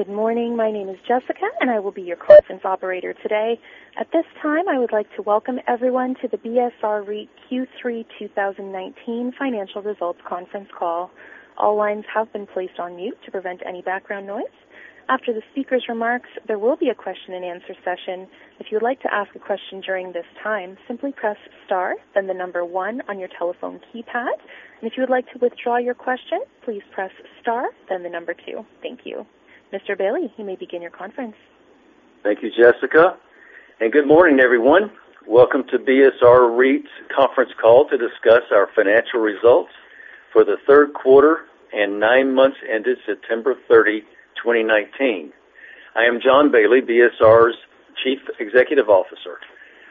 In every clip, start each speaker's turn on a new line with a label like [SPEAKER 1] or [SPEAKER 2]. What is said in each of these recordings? [SPEAKER 1] Good morning. My name is Jessica, and I will be your conference operator today. At this time, I would like to welcome everyone to the BSR REIT Q3 2019 Financial Results Conference Call. All lines have been placed on mute to prevent any background noise. After the speaker's remarks, there will be a question-and-answer session. If you would like to ask a question during this time, simply press star, then the number 1 on your telephone keypad. If you would like to withdraw your question, please press star, then the number 2. Thank you. Mr. Bailey, you may begin your conference.
[SPEAKER 2] Thank you, Jessica, good morning, everyone. Welcome to BSR REIT's conference call to discuss our financial results for the third quarter and nine months ended September 30, 2019. I am John Bailey, BSR's Chief Executive Officer.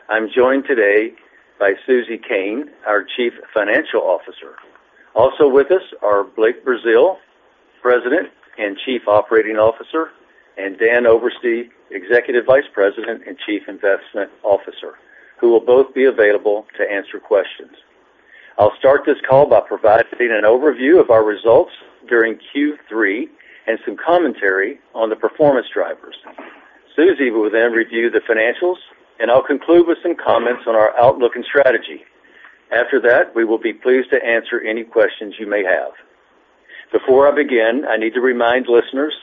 [SPEAKER 2] I'm joined today by Susie Koehn, our Chief Financial Officer. Also with us are Blake Brazeal, President and Chief Operating Officer, and Dan Oberste, Executive Vice President and Chief Investment Officer, who will both be available to answer questions. I'll start this call by providing an overview of our results during Q3 and some commentary on the performance drivers. Susie will then review the financials, and I'll conclude with some comments on our outlook and strategy. After that, we will be pleased to answer any questions you may have. Before I begin, I need to remind listeners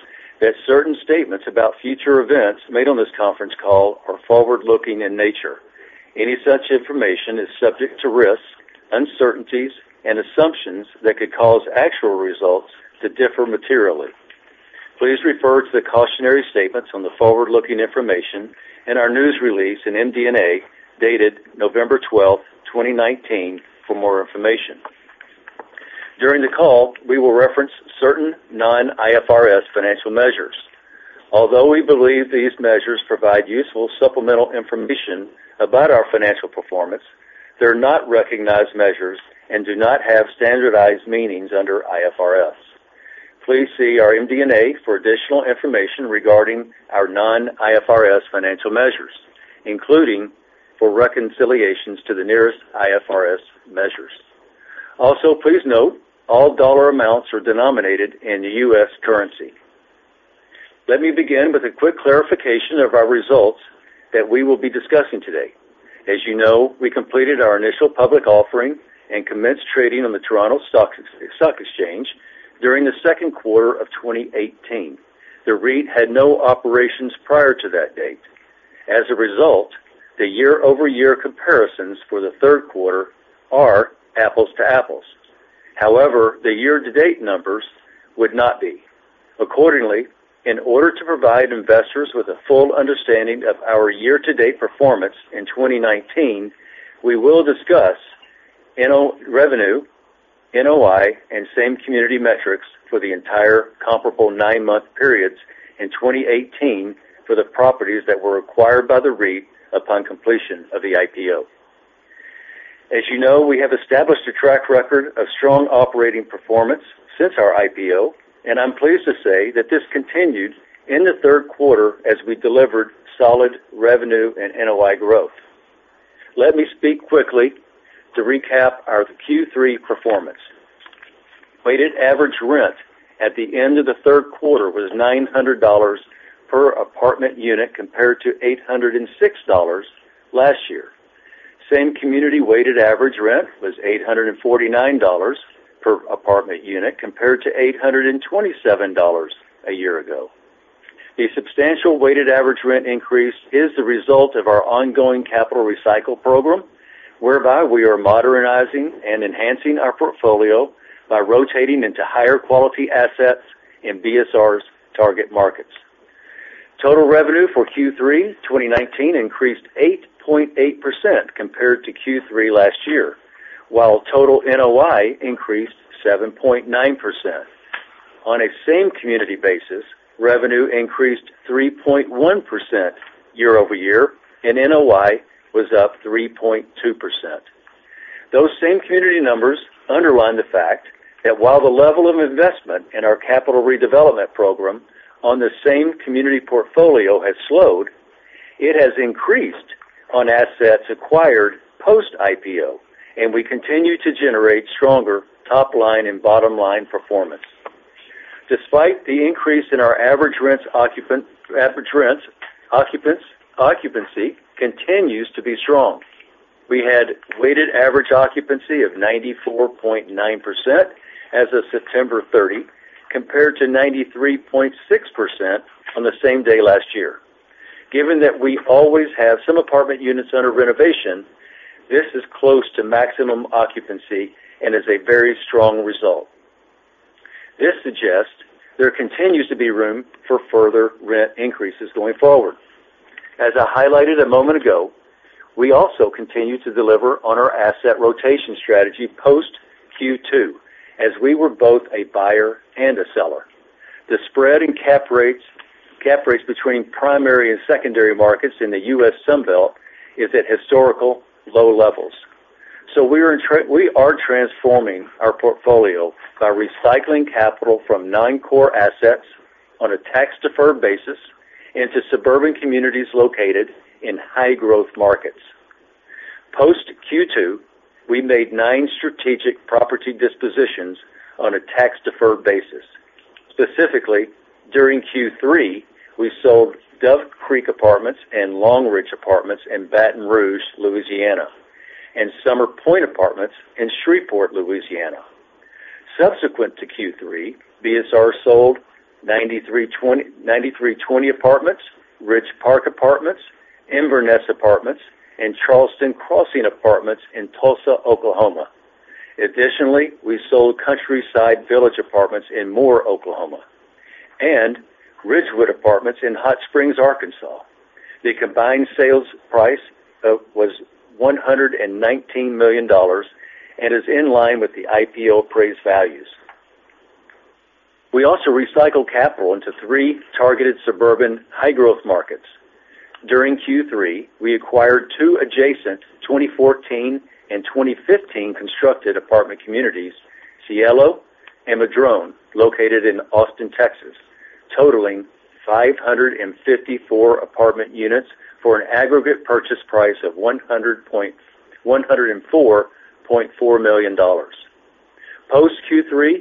[SPEAKER 2] that certain statements about future events made on this conference call are forward-looking in nature. Any such information is subject to risks, uncertainties, and assumptions that could cause actual results to differ materially. Please refer to the cautionary statements on the forward-looking information in our news release in MD&A dated November 12, 2019, for more information. During the call, we will reference certain non-IFRS financial measures. Although we believe these measures provide useful supplemental information about our financial performance, they're not recognized measures and do not have standardized meanings under IFRS. Please see our MD&A for additional information regarding our non-IFRS financial measures, including for reconciliations to the nearest IFRS measures. Also, please note all dollar amounts are denominated in the U.S. currency. Let me begin with a quick clarification of our results that we will be discussing today. As you know, we completed our initial public offering and commenced trading on the Toronto Stock Exchange during the second quarter of 2018. The REIT had no operations prior to that date. As a result, the year-over-year comparisons for the third quarter are apples to apples. However, the year-to-date numbers would not be. Accordingly, in order to provide investors with a full understanding of our year-to-date performance in 2019, we will discuss revenue, NOI, and same community metrics for the entire comparable nine-month periods in 2018 for the properties that were acquired by the REIT upon completion of the IPO. As you know, we have established a track record of strong operating performance since our IPO, and I'm pleased to say that this continued in the third quarter as we delivered solid revenue and NOI growth. Let me speak quickly to recap our Q3 performance. Weighted average rent at the end of the third quarter was $900 per apartment unit, compared to $806 last year. Same-community weighted average rent was $849 per apartment unit, compared to $827 a year ago. The substantial weighted average rent increase is the result of our ongoing capital recycle program, whereby we are modernizing and enhancing our portfolio by rotating into higher-quality assets in BSR's target markets. Total revenue for Q3 2019 increased 8.8% compared to Q3 last year, while total NOI increased 7.9%. On a same-community basis, revenue increased 3.1% year-over-year, NOI was up 3.2%. Those same-community numbers underline the fact that while the level of investment in our capital redevelopment program on the same-community portfolio has slowed, it has increased on assets acquired post-IPO. We continue to generate stronger topline and bottom-line performance. Despite the increase in our average rents, occupancy continues to be strong. We had weighted average occupancy of 94.9% as of September 30, compared to 93.6% on the same day last year. Given that we always have some apartment units under renovation, this is close to maximum occupancy and is a very strong result. This suggests there continues to be room for further rent increases going forward. As I highlighted a moment ago, we also continue to deliver on our asset rotation strategy post-Q2, as we were both a buyer and a seller. The spread in cap rates between primary and secondary markets in the US Sunbelt is at historical low levels. We are transforming our portfolio by recycling capital from nine core assets on a tax-deferred basis into suburban communities located in high-growth markets. Post Q2, we made nine strategic property dispositions on a tax-deferred basis. Specifically, during Q3, we sold Dove Creek Apartments and Longridge Apartments in Baton Rouge, Louisiana, and Summer Pointe Apartments in Shreveport, Louisiana. Subsequent to Q3, BSR sold 93 Twenty Apartments, Ridge Park Apartments, Inverness Apartments, and Charleston Crossing Apartments in Tulsa, Oklahoma. Additionally, we sold Countryside Village Apartments in Moore, Oklahoma, and Ridgewood Apartments in Hot Springs, Arkansas. The combined sales price was $119 million and is in line with the IPO appraised values. We also recycled capital into three targeted suburban high-growth markets. During Q3, we acquired two adjacent 2014 and 2015 constructed apartment communities, Cielo and Madrone, located in Austin, Texas, totaling 554 apartment units for an aggregate purchase price of $104.4 million. Post Q3,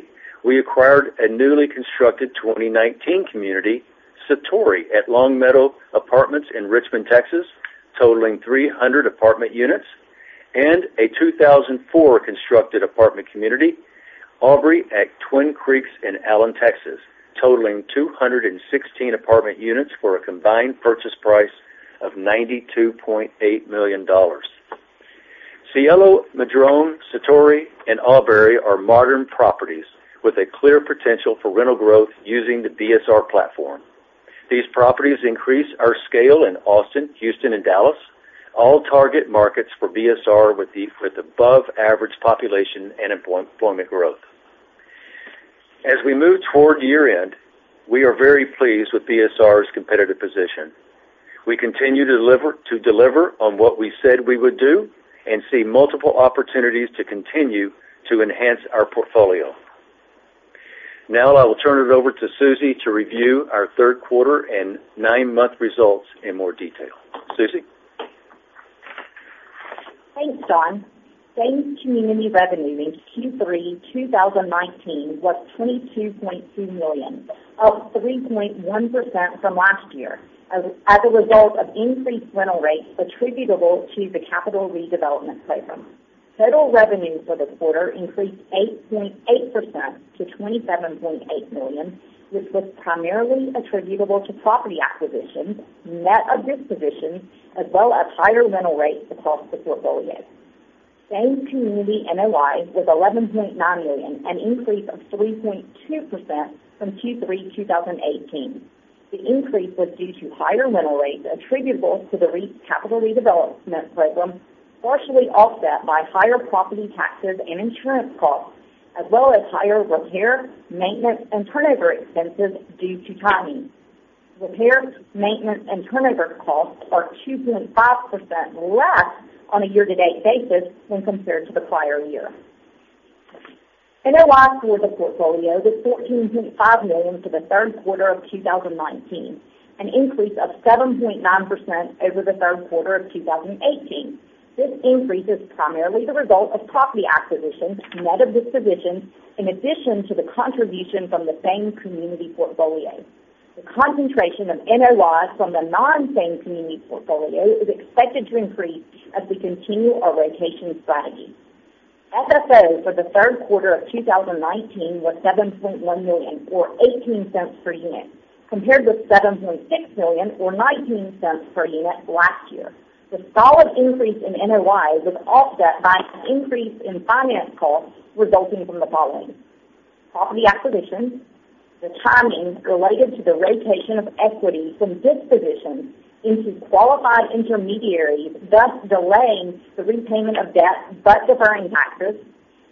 [SPEAKER 2] we acquired a newly constructed 2019 community, Satori at Long Meadow Apartments in Richmond, Texas, totaling 300 apartment units, and a 2004 constructed apartment community, Auberry at Twin Creeks in Allen, Texas, totaling 216 apartment units for a combined purchase price of $92.8 million. Cielo, Madrone, Satori, and Auberry are modern properties with a clear potential for rental growth using the BSR platform. These properties increase our scale in Austin, Houston, and Dallas, all target markets for BSR with above-average population and employment growth. As we move toward year-end, we are very pleased with BSR's competitive position. We continue to deliver on what we said we would do and see multiple opportunities to continue to enhance our portfolio. Now I will turn it over to Susie to review our third quarter and nine-month results in more detail. Susie?
[SPEAKER 3] Thanks, John. Same community revenue in Q3 2019 was $22.2 million, up 3.1% from last year as a result of increased rental rates attributable to the capital redevelopment program. Total revenue for the quarter increased 8.8% to $27.8 million, which was primarily attributable to property acquisitions, net of dispositions, as well as higher rental rates across the portfolio. Same-community NOI was $11.9 million, an increase of 3.2% from Q3 2018. The increase was due to higher rental rates attributable to the REIT's capital redevelopment program, partially offset by higher property taxes and insurance costs, as well as higher repair, maintenance, and turnover expenses due to timing. Repair, maintenance, and turnover costs are 2.5% less on a year-to-date basis when compared to the prior year. NOI for the portfolio was $14.5 million for the third quarter of 2019, an increase of 7.9% over the third quarter of 2018. This increase is primarily the result of property acquisitions, net of dispositions, in addition to the contribution from the same community portfolio. The concentration of NOI from the non-same community portfolio is expected to increase as we continue our rotation strategy. FFO for the third quarter of 2019 was $7.1 million, or $0.18 per unit, compared with $7.6 million or $0.19 per unit last year. The solid increase in NOI was offset by an increase in finance costs resulting from the following. Property acquisitions, the timings related to the rotation of equity from dispositions into qualified intermediaries, thus delaying the repayment of debt but deferring taxes,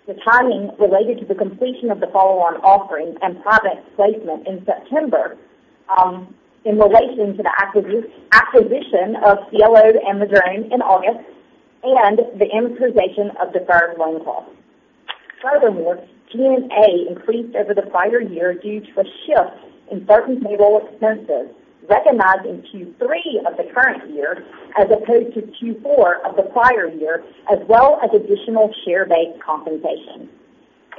[SPEAKER 3] the timing related to the completion of the follow-on offering and private placement in September, in relation to the acquisition of Cielo and Madrone in August, and the improvement of deferred loan costs. Furthermore, G&A increased over the prior year due to a shift in certain payroll expenses recognized in Q3 of the current year as opposed to Q4 of the prior year, as well as additional share-based compensation.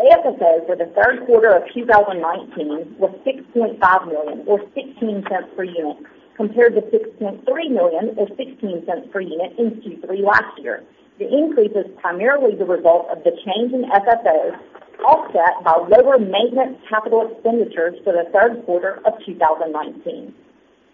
[SPEAKER 3] AFFO for the third quarter of 2019 was $6.5 million or $0.16 per unit, compared to $6.3 million or $0.16 per unit in Q3 last year. The increase is primarily the result of the change in FFO, offset by lower maintenance capital expenditures for the third quarter of 2019.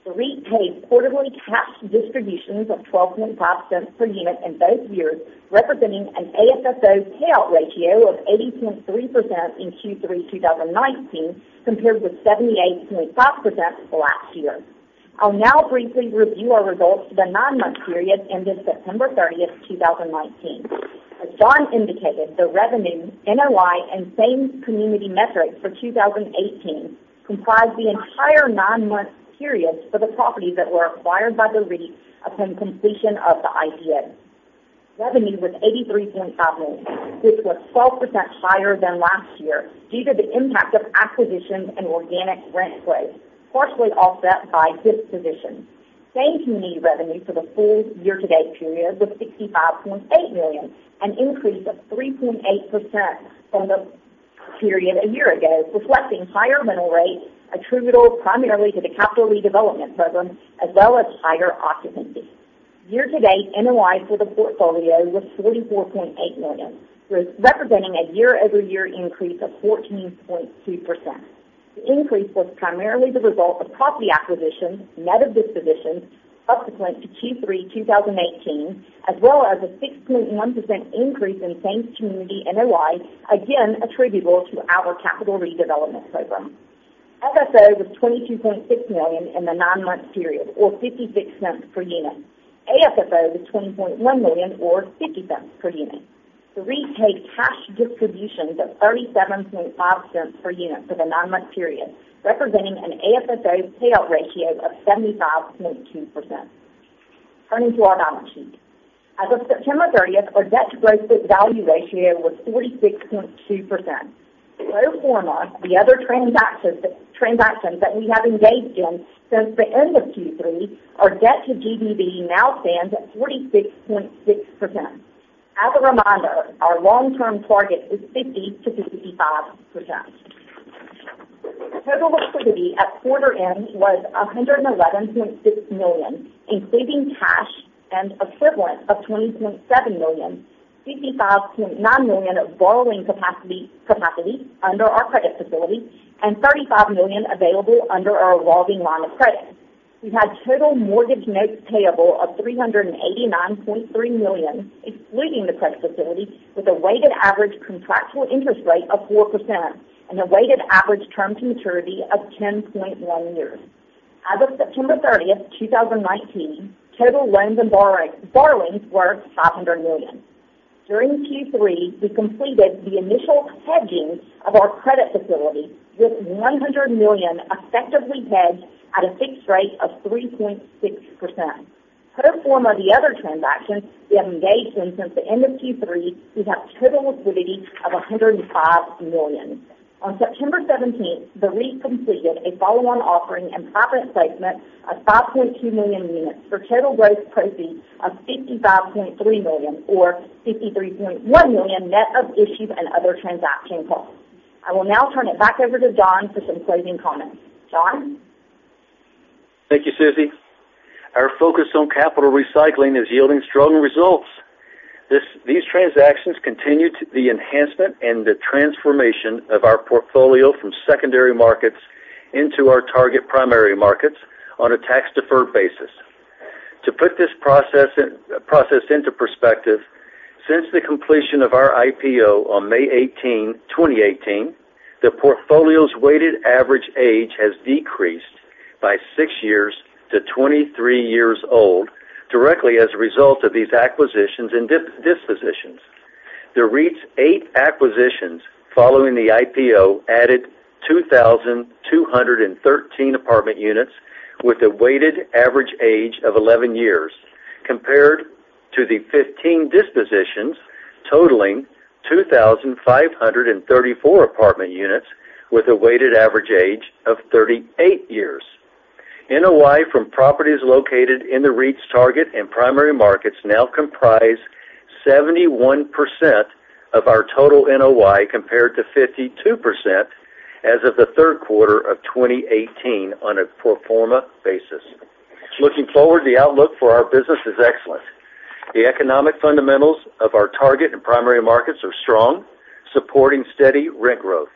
[SPEAKER 3] The REIT paid quarterly cash distributions of $0.125 per unit in both years, representing an AFFO payout ratio of 80.3% in Q3 2019 compared with 78.5% last year. I'll now briefly review our results for the nine-month period ending September 30th, 2019. As John indicated, the revenue, NOI, and same community metrics for 2018 comprise the entire nine-month period for the properties that were acquired by the REIT upon completion of the IPO. Revenue was $83.5 million, which was 12% higher than last year due to the impact of acquisitions and organic rent growth, partially offset by dispositions. Same-community revenue for the full year-to-date period was $65.8 million, an increase of 3.8% from the period a year ago, reflecting higher rental rates attributable primarily to the capital redevelopment program, as well as higher occupancy. Year-to-date, NOI for the portfolio was $44.8 million, representing a year-over-year increase of 14.2%. The increase was primarily the result of property acquisitions, net of dispositions subsequent to Q3 2018, as well as a 6.1% increase in same-community NOI, again, attributable to our capital redevelopment program. FFO was $22.6 million in the nine-month period, or $0.56 per unit. AFFO was $20.1 million, or $0.50 per unit. The REIT paid cash distributions of $0.375 per unit for the nine-month period, representing an AFFO payout ratio of 75.2%. Turning to our balance sheet. As of September 30th, our debt-to-gross-book value ratio was 46.2%. Pro forma the other transactions that we have engaged in since the end of Q3, our debt to GBV now stands at 46.6%. As a reminder, our long-term target is 50%-55%. Total liquidity at quarter end was $111.6 million, including cash and equivalent of $20.7 million, $55.9 million of borrowing capacity under our credit facility, and $35 million available under our revolving line of credit. We've had total mortgage notes payable of $389.3 million, excluding the credit facility, with a weighted average contractual interest rate of 4%, and a weighted average term to maturity of 10.1 years. As of September 30th, 2019, total loans and borrowings were $500 million. During Q3, we completed the initial hedging of our credit facility with $100 million effectively hedged at a fixed rate of 3.6%. Pro forma the other transactions we have engaged in since the end of Q3, we have total liquidity of $105 million. On September 17th, the REIT completed a follow-on offering and private placement of 5.2 million units for total gross proceeds of $55.3 million, or $53.1 million net of issues and other transaction costs. I will now turn it back over to John for some closing comments. John?
[SPEAKER 2] Thank you, Susie. Our focus on capital recycling is yielding strong results. These transactions continue the enhancement and the transformation of our portfolio from secondary markets into our target primary markets on a tax-deferred basis. To put this process into perspective, since the completion of our IPO on May 18, 2018, the portfolio's weighted average age has decreased by six years to 23 years old, directly as a result of these acquisitions and dispositions. The REIT's eight acquisitions following the IPO added 2,213 apartment units with a weighted average age of 11 years, compared to the 15 dispositions totaling 2,534 apartment units with a weighted average age of 38 years. NOI from properties located in the REIT's target and primary markets now comprise 71% of our total NOI, compared to 52% as of the third quarter of 2018 on a pro forma basis. Looking forward, the outlook for our business is excellent. The economic fundamentals of our target and primary markets are strong, supporting steady rent growth.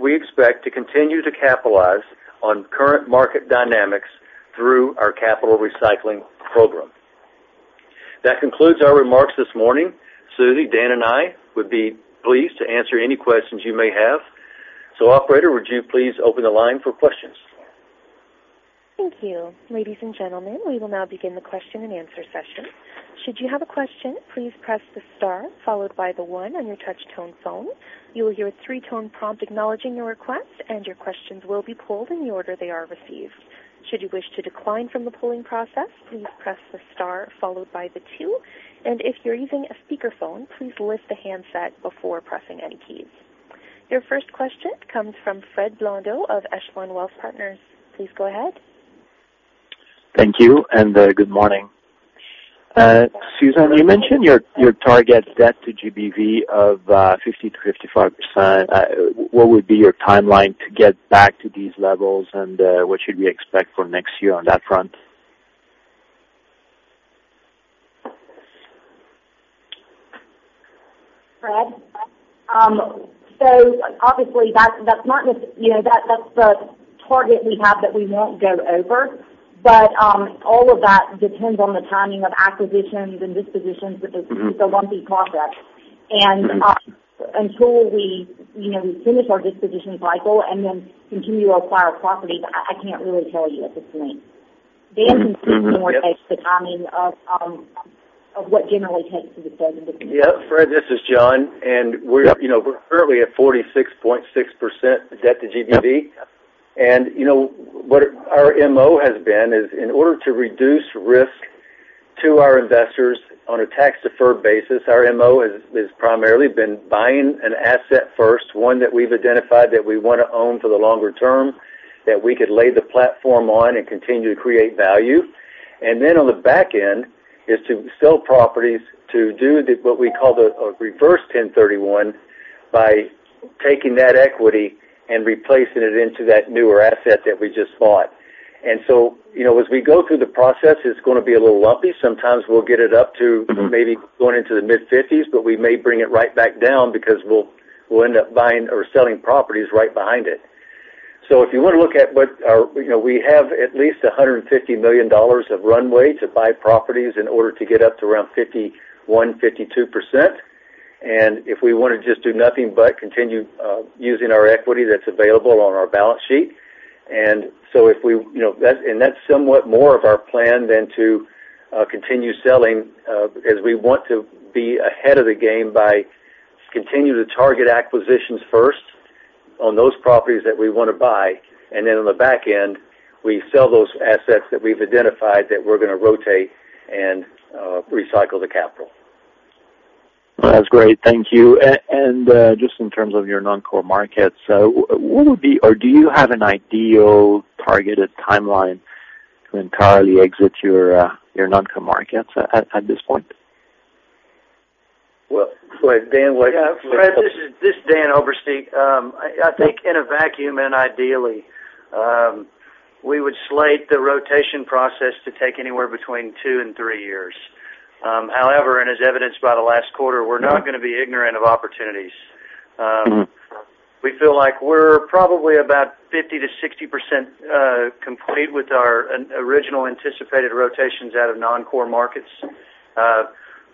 [SPEAKER 2] We expect to continue to capitalize on current market dynamics through our capital recycling program. That concludes our remarks this morning. Susie, Dan, and I would be pleased to answer any questions you may have. Operator, would you please open the line for questions?
[SPEAKER 1] Thank you. Ladies and gentlemen, we will now begin the question-and-answer session. Should you have a question, please press the star followed by the one on your touch tone phone. You will hear a three-tone prompt acknowledging your request. Your questions will be pulled in the order they are received. Should you wish to decline from the polling process, please press the star followed by the two. If you're using a speakerphone, please lift the handset before pressing any keys. Your first question comes from Fred Blondeau of Echelon Wealth Partners. Please go ahead.
[SPEAKER 4] Thank you, and good morning. Susie, you mentioned your target debt to GBV of 50%-55%. What would be your timeline to get back to these levels, and what should we expect for next year on that front?
[SPEAKER 3] Fred, obviously that's the target we have that we won't go over. All of that depends on the timing of acquisitions and dispositions because it's a lumpy process. Until we finish our dispositions cycle and then continue to acquire properties, I can't really tell you at this point.
[SPEAKER 4] Mm-hmm. Yep.
[SPEAKER 3] Dan can say more as to timing of what generally takes to dispose of dispositions.
[SPEAKER 2] Yeah, Fred, this is John. We're currently at 46.6% debt to GBV. What our MO has been is in order to reduce risk to our investors on a tax-deferred basis, our MO has primarily been buying an asset first, one that we've identified that we want to own for the longer term, that we could lay the platform on and continue to create value. Then on the back end, is to sell properties to do what we call the reverse 1031, by taking that equity and replacing it into that newer asset that we just bought. As we go through the process, it's going to be a little lumpy. Sometimes we'll get it up to maybe going into the mid-50s. We may bring it right back down because we'll end up buying or selling properties right behind it. If you want to look at We have at least $150 million of runway to buy properties in order to get up to around 51%, 52%. If we want to just do nothing but continue using our equity that's available on our balance sheet. That's somewhat more of our plan than to continue selling, as we want to be ahead of the game by continuing to target acquisitions first on those properties that we want to buy. Then on the back end, we sell those assets that we've identified that we're going to rotate and recycle the capital.
[SPEAKER 4] That's great. Thank you. Just in terms of your non-core markets, what would be, or do you have an ideal targeted timeline to entirely exit your non-core markets at this point?
[SPEAKER 2] Well, Blake, Dan.
[SPEAKER 5] Yeah, Fred, this is Dan Oberste. I think in a vacuum, and ideally, we would slate the rotation process to take anywhere between two and three years. However, and as evidenced by the last quarter, we're not going to be ignorant of opportunities. We feel like we're probably about 50%-60% complete with our original anticipated rotations out of non-core markets.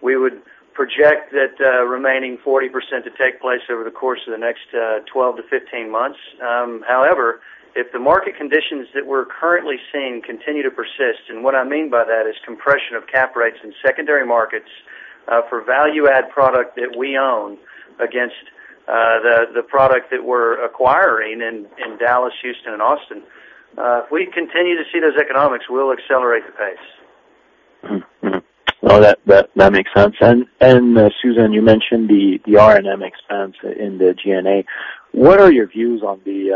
[SPEAKER 5] We would project that remaining 40% to take place over the course of the next 12-15 months. However, if the market conditions that we're currently seeing continue to persist, and what I mean by that is compression of cap rates in secondary markets for value-add product that we own against the product that we're acquiring in Dallas, Houston, and Austin. If we continue to see those economics, we'll accelerate the pace.
[SPEAKER 4] Mm-hmm. Well, that makes sense. Susie, you mentioned the R&M expense in the G&A. What are your views on the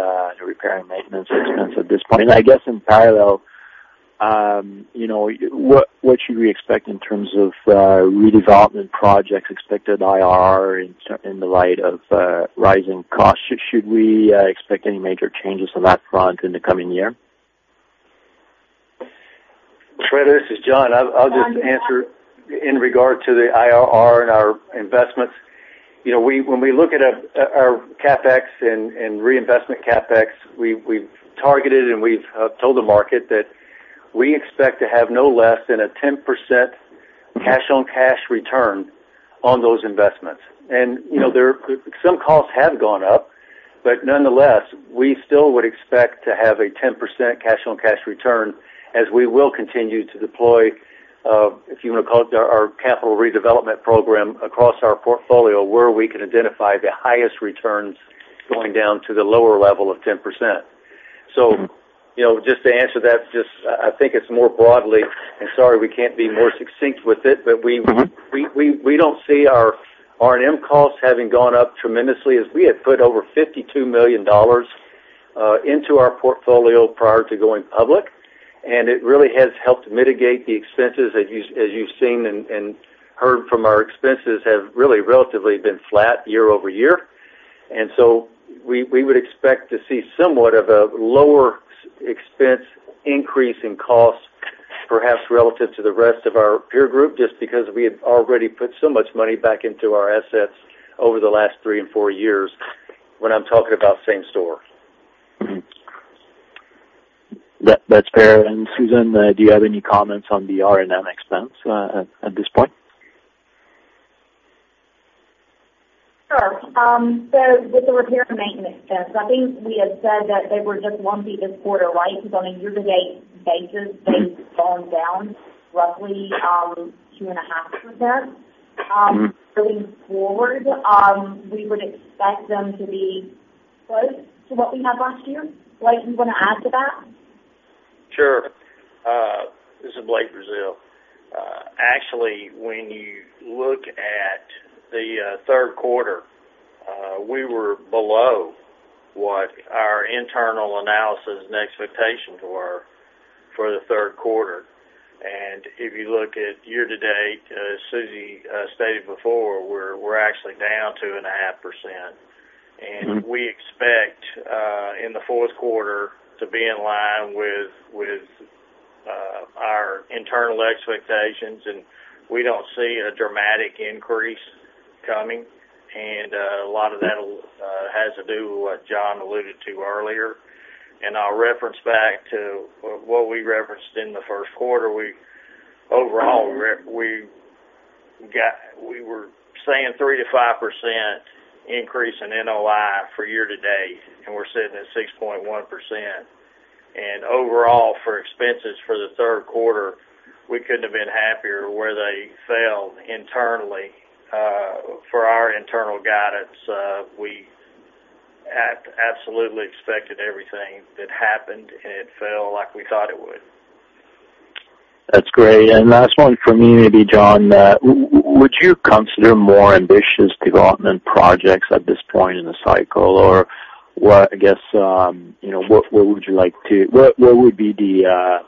[SPEAKER 4] repair and maintenance expense at this point? I guess in parallel, what should we expect in terms of redevelopment projects, expected IRR in the light of rising costs? Should we expect any major changes on that front in the coming year?
[SPEAKER 2] Fred, this is John. I'll just answer in regard to the IRR and our investments. When we look at our CapEx and reinvestment CapEx, we've targeted, and we've told the market that we expect to have no less than a 10% cash-on-cash return on those investments. Some costs have gone up, but nonetheless, we still would expect to have a 10% cash-on-cash return as we will continue to deploy, if you want to call it our capital redevelopment program, across our portfolio, where we can identify the highest returns going down to the lower level of 10%. Just to answer that, I think it's more broadly, and sorry, we can't be more succinct with it, but we don't see our R&M costs having gone up tremendously as we had put over $52 million into our portfolio prior to going public. It really has helped mitigate the expenses, as you've seen and heard from our expenses have really relatively been flat year-over-year. We would expect to see somewhat of a lower expense increase in costs, perhaps relative to the rest of our peer group, just because we have already put so much money back into our assets over the last three and four years, when I'm talking about same store.
[SPEAKER 4] That's fair. Susie, do you have any comments on the R&M expense at this point?
[SPEAKER 3] Sure. With the repair and maintenance expense, I think we had said that they were just lumpy this quarter, right? Because on a year-to-date basis, they've gone down roughly 2.5%. Going forward, we would expect them to be close to what we have last year. Blake, you want to add to that?
[SPEAKER 6] Sure. This is Blake Brazeal. Actually, when you look at the third quarter, we were below what our internal analysis and expectations were for the third quarter. If you look at year to date, Susie stated before, we're actually down 2.5%. We expect, in the fourth quarter, to be in line with our internal expectations. We don't see a dramatic increase coming. A lot of that has to do what John alluded to earlier. I'll reference back to what we referenced in the first quarter. We were saying 3%-5% increase in NOI for year to date, and we're sitting at 6.1%. Overall, for expenses for the third quarter, we couldn't have been happier where they fell internally. For our internal guidance, we Absolutely expected everything that happened, and it fell like we thought it would.
[SPEAKER 4] That's great. Last one from me, maybe, John, would you consider more ambitious development projects at this point in the cycle? What would be the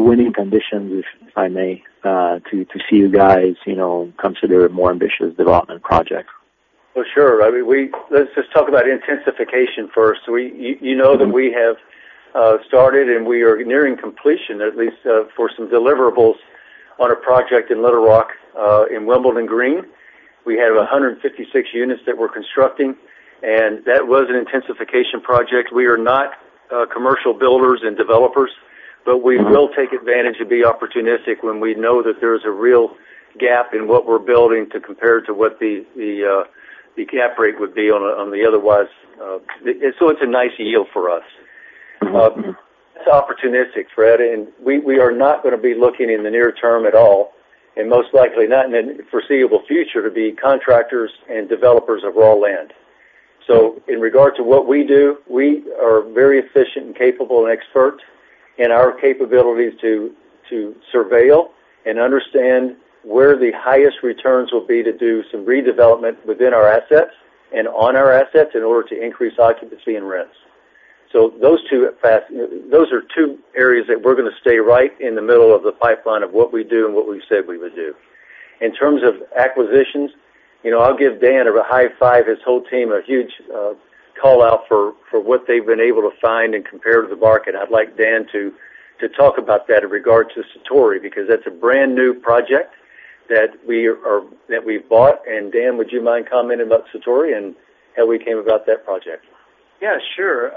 [SPEAKER 4] winning conditions, if I may, to see you guys consider more ambitious development projects?
[SPEAKER 2] Well, sure. Let's just talk about intensification first. You know that we have started, and we are nearing completion, at least for some deliverables, on a project in Little Rock, in Wimbledon Green. We have 156 units that we're constructing, and that was an intensification project. We are not commercial builders and developers, but we will take advantage and be opportunistic when we know that there's a real gap in what we're building to compare to what the cap rate would be on the otherwise. It's a nice yield for us. It's opportunistic, Fred, and we are not going to be looking in the near term at all, and most likely not in the foreseeable future, to be contractors and developers of raw land. In regard to what we do, we are very efficient and capable and expert in our capabilities to surveil and understand where the highest returns will be to do some redevelopment within our assets and on our assets in order to increase occupancy and rents. Those are two areas that we're going to stay right in the middle of the pipeline of what we do and what we've said we would do. In terms of acquisitions, I'll give Dan a high five, his whole team, a huge call-out for what they've been able to find and compare to the market. I'd like Dan to talk about that in regard to Satori, because that's a brand-new project that we've bought. Dan, would you mind commenting about Satori and how we came about that project?
[SPEAKER 5] Yeah, sure.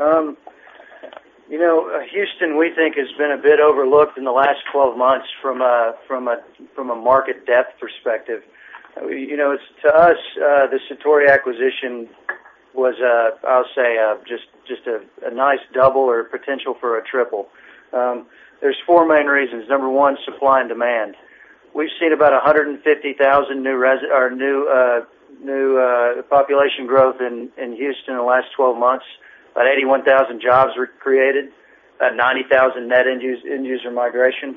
[SPEAKER 5] Houston, we think, has been a bit overlooked in the last 12 months from a market depth perspective. To us, the Satori acquisition was, I'll say, just a nice double or potential for a triple. There's four main reasons. Number one, supply and demand. We've seen about 150,000 new population growth in Houston in the last 12 months. About 81,000 jobs were created. About 90,000 net end-user migration.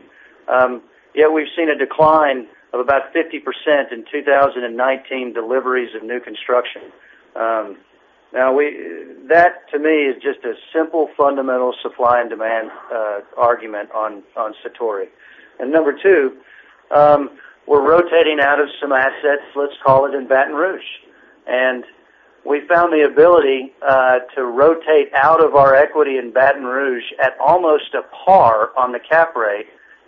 [SPEAKER 5] We've seen a decline of about 50% in 2019 deliveries of new construction. That to me is just a simple fundamental supply and demand argument on Satori. Number two, we're rotating out of some assets, let's call it in Baton Rouge. We found the ability to rotate out of our equity in Baton Rouge at almost a par on the cap rate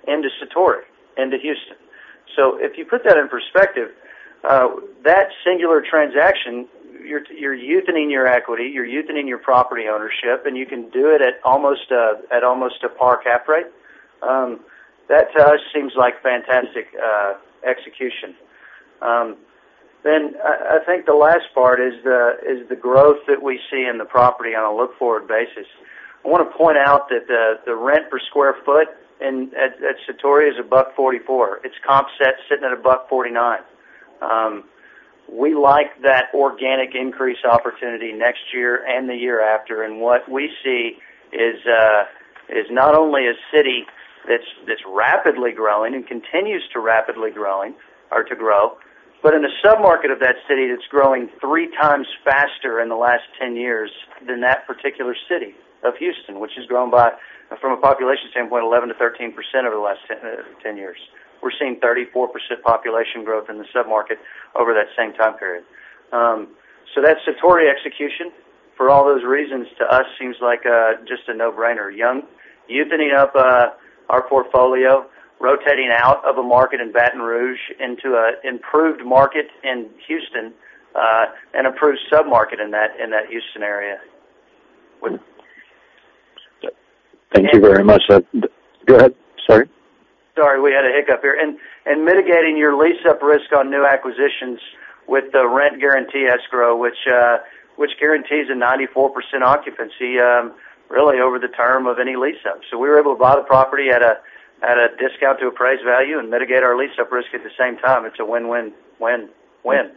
[SPEAKER 5] into Satori, into Houston. If you put that in perspective, that singular transaction, you're youth-ening your equity, you're youth-ening your property ownership, and you can do it at almost a par cap rate. That to us seems like fantastic execution. I think the last part is the growth that we see in the property on a look-forward basis. I want to point out that the rent per square foot at Satori is $1.44. Its comp set's sitting at $1.49. We like that organic increase opportunity next year and the year after, and what we see is not only a city that's rapidly growing and continues to rapidly grow, but in a sub-market of that city that's growing 3 times faster in the last 10 years than that particular city of Houston, which has grown by, from a population standpoint, 11%-13% over the last 10 years. We're seeing 34% population growth in the sub-market over that same time period. That Satori execution, for all those reasons, to us, seems like just a no-brainer. Youth-ening up our portfolio, rotating out of a market in Baton Rouge into an improved market in Houston, an improved sub-market in that Houston area.
[SPEAKER 4] Thank you very much. Go ahead, sorry.
[SPEAKER 5] Sorry, we had a hiccup here. Mitigating your lease-up risk on new acquisitions with the rent guarantee escrow, which guarantees a 94% occupancy, really over the term of any lease-up. We were able to buy the property at a discount to appraised value and mitigate our lease-up risk at the same time. It's a win-win-win-win.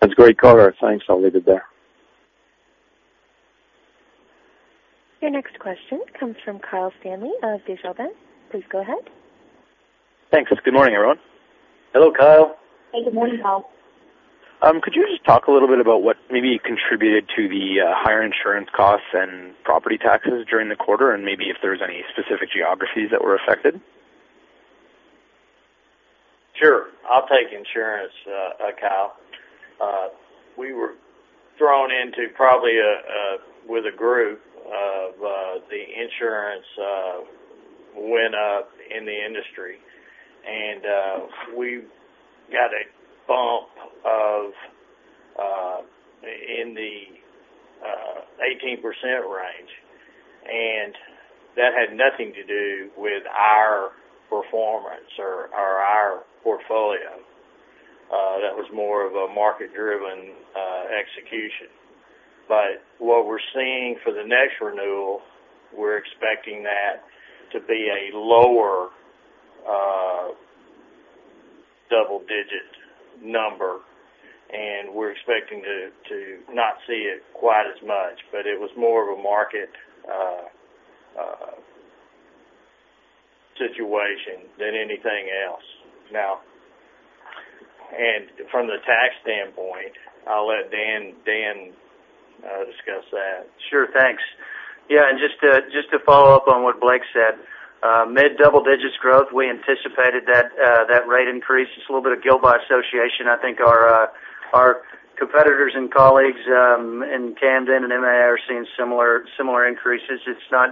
[SPEAKER 4] That's great color. Thanks. I'll leave it there.
[SPEAKER 1] Your next question comes from Kyle Stanley of Desjardins. Please go ahead.
[SPEAKER 7] Thanks. Good morning, everyone.
[SPEAKER 2] Hello, Kyle.
[SPEAKER 3] Hey, good morning, Kyle.
[SPEAKER 7] Could you just talk a little bit about what maybe contributed to the higher insurance costs and property taxes during the quarter, and maybe if there's any specific geographies that were affected?
[SPEAKER 2] Sure. I'll take insurance, Kyle. We were thrown into probably with a group of the insurance went up in the industry, and we got a bump in the 18% range, and that had nothing to do with our performance or our portfolio. That was more of a market-driven execution. What we're seeing for the next renewal, we're expecting that to be a lower double-digit number. We're expecting to not see it quite as much, but it was more of a market situation than anything else. Now, from the tax standpoint, I'll let Dan discuss that.
[SPEAKER 5] Sure. Thanks. Just to follow up on what Blake said. Mid double digits growth, we anticipated that rate increase. It's a little bit of guilt by association. I think our competitors and colleagues in Camden and MAA are seeing similar increases. It's not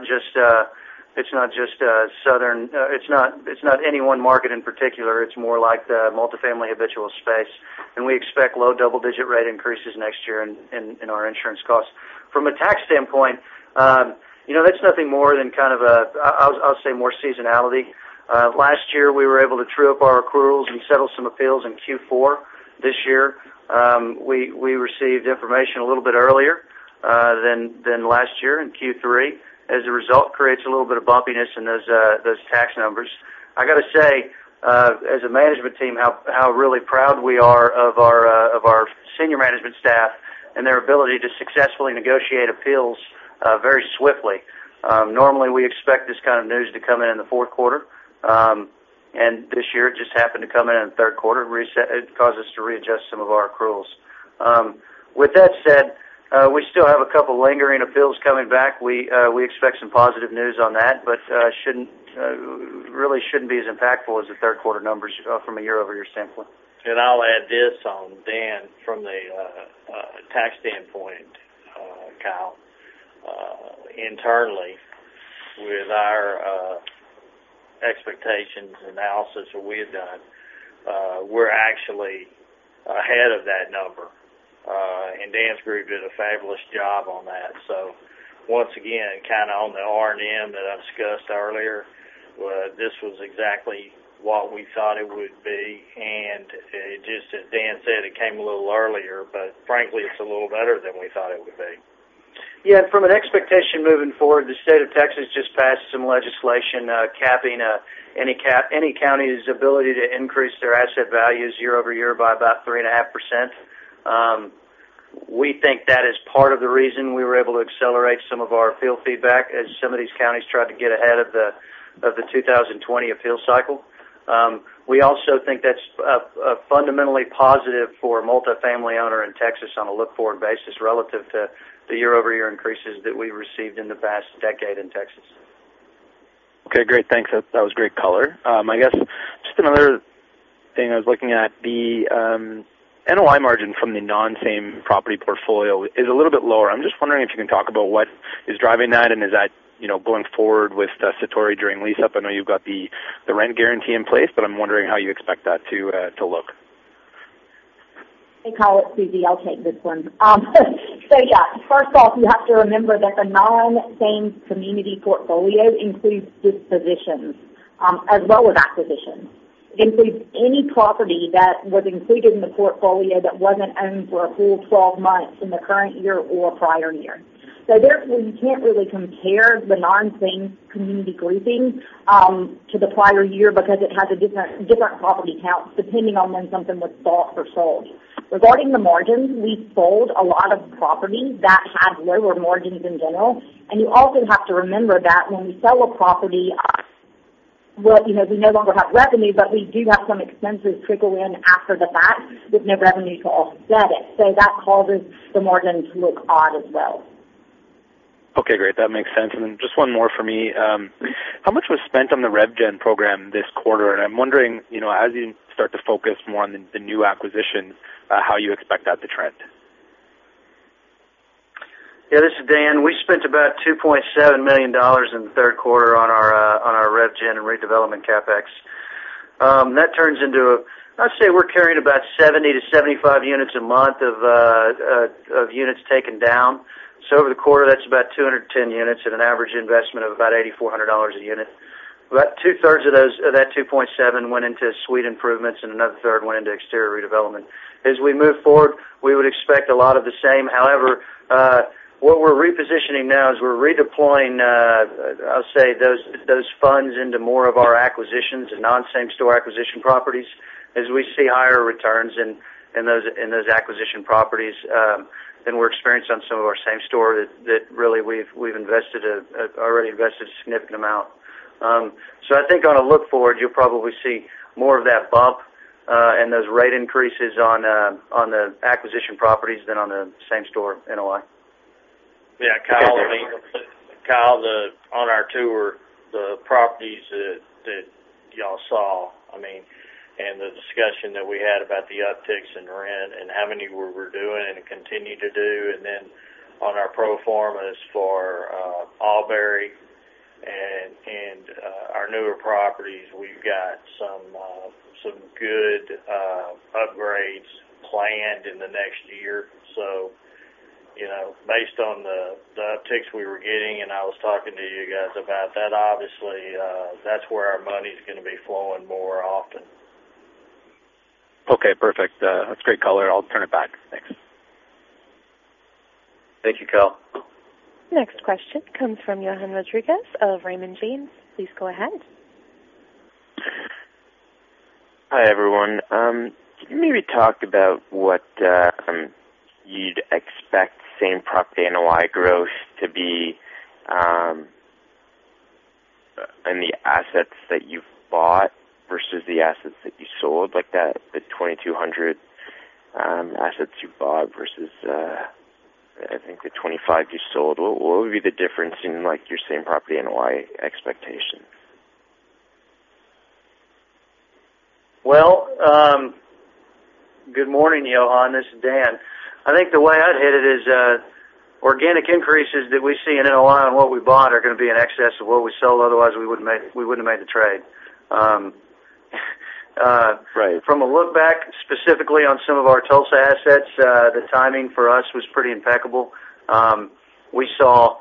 [SPEAKER 5] any one market in particular. It's more like the multifamily habitual space. We expect low double-digit rate increases next year in our insurance costs. From a tax standpoint, that's nothing more than kind of a, I'll say, more seasonality. Last year, we were able to true up our accruals and settle some appeals in Q4. This year, we received information a little bit earlier than last year in Q3. As a result, creates a little bit of bumpiness in those tax numbers. I got to say, as a management team, how really proud we are of our senior management staff and their ability to successfully negotiate appeals very swiftly. Normally, we expect this kind of news to come in the fourth quarter. This year, it just happened to come in the third quarter. It caused us to readjust some of our accruals. With that said, we still have a couple lingering appeals coming back. We expect some positive news on that, really shouldn't be as impactful as the third quarter numbers from a year-over-year sampling.
[SPEAKER 6] I'll add this on, Dan, from the tax standpoint, Kyle. Internally, with our expectations analysis that we had done, we're actually ahead of that number. Dan's group did a fabulous job on that. Once again, kind of on the R&M that I discussed earlier, this was exactly what we thought it would be. It just, as Dan said, it came a little earlier, but frankly, it's a little better than we thought it would be.
[SPEAKER 5] Yeah, from an expectation moving forward, the state of Texas just passed some legislation capping any county's ability to increase their asset values year-over-year by about 3.5%. We think that is part of the reason we were able to accelerate some of our field feedback as some of these counties tried to get ahead of the 2020 appeal cycle. We also think that's fundamentally positive for a multifamily owner in Texas on a look-forward basis relative to the year-over-year increases that we received in the past decade in Texas.
[SPEAKER 7] Okay, great. Thanks. That was great color. I guess, just another thing I was looking at, the NOI margin from the non-same property portfolio is a little bit lower. I'm just wondering if you can talk about what is driving that, and is that going forward with Satori during lease-up? I know you've got the rent guarantee in place, but I'm wondering how you expect that to look.
[SPEAKER 3] Hey, Kyle. It's Susie. I'll take this one. Yeah, first off, you have to remember that the non-same community portfolio includes dispositions, as well as acquisitions. It includes any property that was included in the portfolio that wasn't owned for a full 12 months in the current year or prior year. Therefore, you can't really compare the non-same community grouping to the prior year because it has a different property count, depending on when something was bought or sold. Regarding the margins, we sold a lot of property that had lower margins in general. You also have to remember that when we sell a property, we no longer have revenue, but we do have some expenses trickle in after the fact with no revenue to offset it. That causes the margins to look odd as well.
[SPEAKER 7] Okay, great. That makes sense. Then just one more for me. How much was spent on the RevGen Program this quarter? I'm wondering, as you start to focus more on the new acquisitions, how you expect that to trend.
[SPEAKER 5] Yeah, this is Dan. We spent about $2.7 million in the third quarter on our RevGen and redevelopment CapEx. That turns into, I'd say we're carrying about 70 to 75 units a month of units taken down. Over the quarter, that's about 210 units at an average investment of about $8,400 a unit. About two-thirds of that 2.7 went into suite improvements, and another third went into exterior redevelopment. As we move forward, we would expect a lot of the same. What we're repositioning now is we're redeploying, I'll say those funds into more of our acquisitions and non-same store acquisition properties as we see higher returns in those acquisition properties than we're experienced on some of our same store that really we've already invested a significant amount. I think on a look forward, you'll probably see more of that bump, and those rate increases on the acquisition properties than on the same store NOI.
[SPEAKER 6] Yeah.
[SPEAKER 7] Okay.
[SPEAKER 6] Kyle, on our tour, the properties that you all saw, and the discussion that we had about the upticks in rent and how many we were doing and continue to do, and then on our pro forma as for Auberry and our newer properties, we've got some good upgrades planned in the next year. Based on the upticks we were getting, and I was talking to you guys about that, obviously, that's where our money's gonna be flowing more often.
[SPEAKER 7] Okay, perfect. That's great color. I'll turn it back.
[SPEAKER 2] Thank you, Kyle.
[SPEAKER 1] Next question comes from Johann Rodrigues of Raymond James. Please go ahead.
[SPEAKER 8] Hi, everyone. Can you maybe talk about what you'd expect same-property NOI growth to be in the assets that you've bought versus the assets that you sold, like the 2,200 assets you bought versus, I think the 25 you sold. What would be the difference in your same-property NOI expectation?
[SPEAKER 5] Well, good morning, Johann. This is Dan. I think the way I'd hit it is organic increases that we see in NOI on what we bought are going to be in excess of what we sold, otherwise, we wouldn't have made the trade.
[SPEAKER 8] Right.
[SPEAKER 5] From a look back, specifically on some of our Tulsa assets, the timing for us was pretty impeccable. I think we saw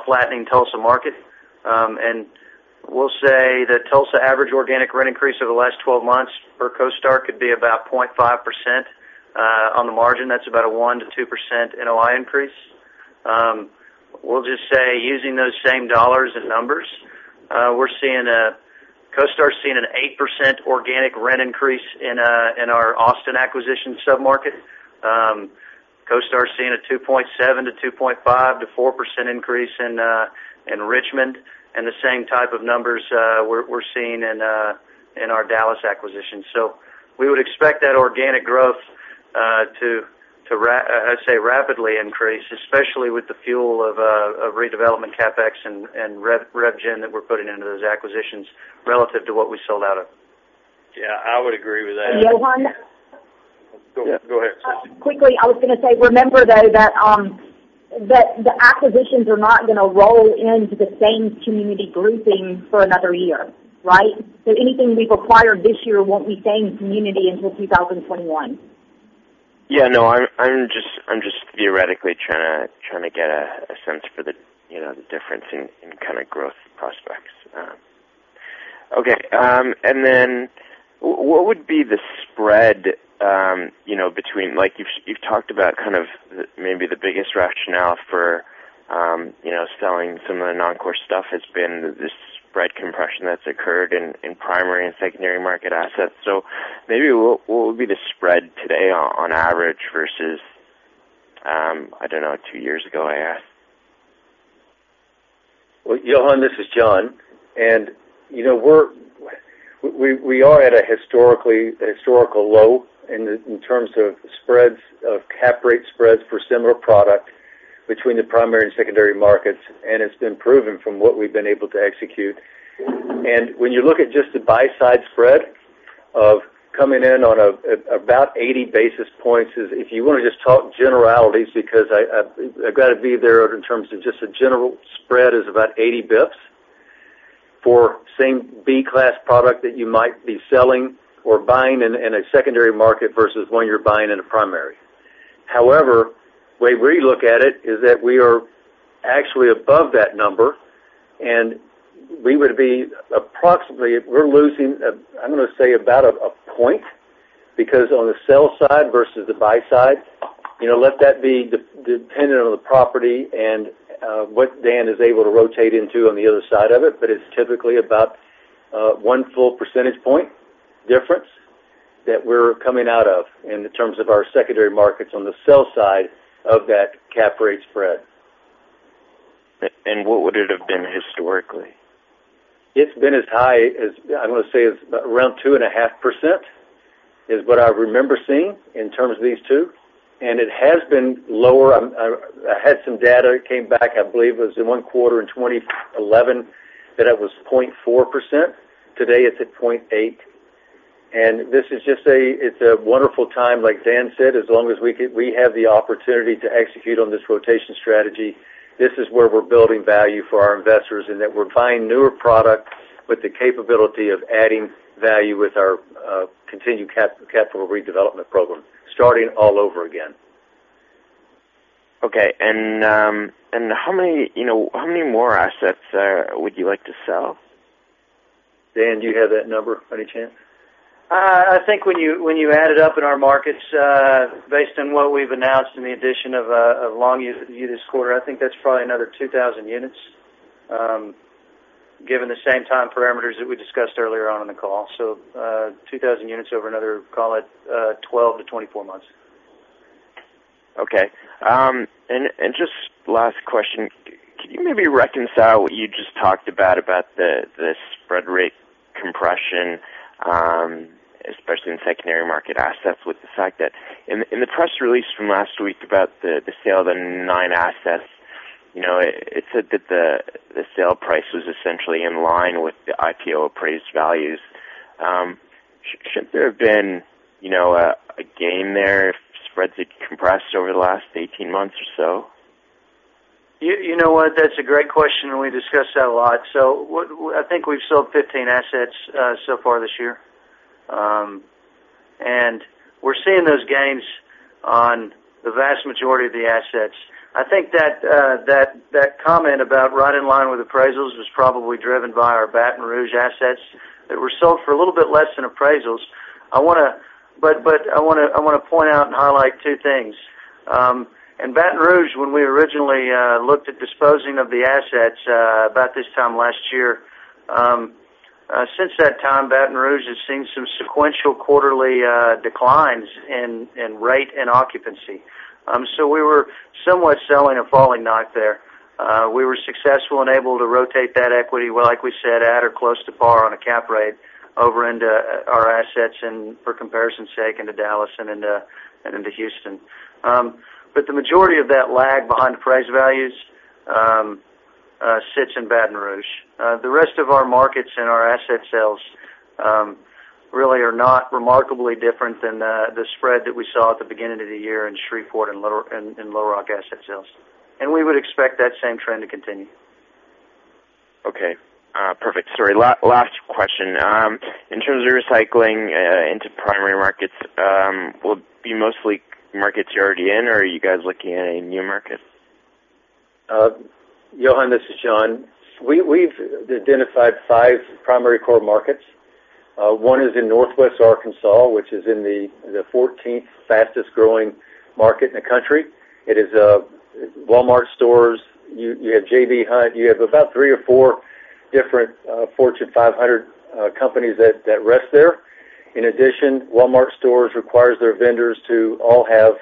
[SPEAKER 5] a flattening Tulsa market. We'll say that Tulsa average organic rent increase over the last 12 months for CoStar could be about 0.5% on the margin. That's about a 1%-2% NOI increase. We'll just say, using those same dollars and numbers, CoStar's seeing an 8% organic rent increase in our Austin acquisition sub-market. CoStar's seeing a 2.5%-4% increase in Richmond, and the same type of numbers we're seeing in our Dallas acquisition. We would expect that organic growth to, I'd say, rapidly increase, especially with the fuel of redevelopment CapEx and RevGen that we're putting into those acquisitions relative to what we sold out of.
[SPEAKER 2] Yeah, I would agree with that.
[SPEAKER 3] Johann?
[SPEAKER 2] Go ahead.
[SPEAKER 3] Quickly, I was going to say, remember though, that the acquisitions are not going to roll into the same community grouping for another year. Right? Anything we've acquired this year won't be same community until 2021.
[SPEAKER 8] Yeah. No, I'm just theoretically trying to get a sense for the difference in kind of growth prospects. Okay. What would be the spread between You've talked about kind of maybe the biggest rationale for selling some of the non-core stuff has been the spread compression that's occurred in primary and secondary market assets. Maybe what would be the spread today on average versus, I don't know, two years ago, I ask?
[SPEAKER 2] Well, Johann, this is John. We are at a historical low in terms of cap rate spreads for similar product between the primary and secondary markets, and it's been proven from what we've been able to execute. When you look at just the buy-side spread of coming in on about 80 basis points, if you want to just talk generalities, because I've got to be there in terms of just a general spread is about 80 basis points for same B-class product that you might be selling or buying in a secondary market versus one you're buying in a primary. However, the way we look at it is that we are actually above that number, and we would be approximately. We're losing, I'm going to say about a point, because on the sell side versus the buy side, let that be dependent on the property and what Dan is able to rotate into on the other side of it, but it's typically about one full percentage point difference that we're coming out of in terms of our secondary markets on the sell side of that cap rate spread.
[SPEAKER 8] What would it have been historically?
[SPEAKER 2] It's been as high as, I want to say, it's around 2.5% is what I remember seeing in terms of these two. It has been lower. I had some data that came back, I believe it was in one quarter in 2011, that it was 0.4%. Today, it's at 0.8%. It's a wonderful time, like Dan said, as long as we have the opportunity to execute on this rotation strategy, this is where we're building value for our investors, and that we're buying newer product with the capability of adding value with our continued capital redevelopment program, starting all over again.
[SPEAKER 8] Okay. How many more assets would you like to sell?
[SPEAKER 2] Dan, do you have that number by any chance?
[SPEAKER 5] I think when you add it up in our markets, based on what we've announced and the addition of Longview this quarter, I think that's probably another 2,000 units, given the same time parameters that we discussed earlier on in the call. 2,000 units over another, call it, 12-24 months.
[SPEAKER 8] Okay. Just last question. Could you maybe reconcile what you just talked about the spread rate compression, especially in secondary market assets, with the fact that in the press release from last week about the sale of the nine assets, it said that the sale price was essentially in line with the IPO appraised values. Shouldn't there have been a gain there if spreads had compressed over the last 18 months or so?
[SPEAKER 5] You know what, that's a great question. We discuss that a lot. I think we've sold 15 assets so far this year. We're seeing those gains on the vast majority of the assets. I think that comment about right in line with appraisals was probably driven by our Baton Rouge assets that were sold for a little bit less than appraisals.
[SPEAKER 2] I want to point out and highlight two things. In Baton Rouge, when we originally looked at disposing of the assets about this time last year. Since that time, Baton Rouge has seen some sequential quarterly declines in rate and occupancy. We were somewhat selling a falling knock there. We were successful and able to rotate that equity, like we said, at or close to par on a cap rate over into our assets and for comparison's sake, into Dallas and into Houston. The majority of that lag behind appraised values sits in Baton Rouge. The rest of our markets and our asset sales really are not remarkably different than the spread that we saw at the beginning of the year in Shreveport and Little Rock asset sales. We would expect that same trend to continue.
[SPEAKER 8] Okay. Perfect. Sorry, last question. In terms of recycling into primary markets, will it be mostly markets you're already in, or are you guys looking at any new markets?
[SPEAKER 2] Johann, this is John. We've identified five primary core markets. One is in Northwest Arkansas, which is in the 14th fastest-growing market in the country. It is Walmart stores. You have J.B. Hunt. You have about three or four different Fortune 500 companies that rest there. In addition, Walmart stores requires their vendors to all have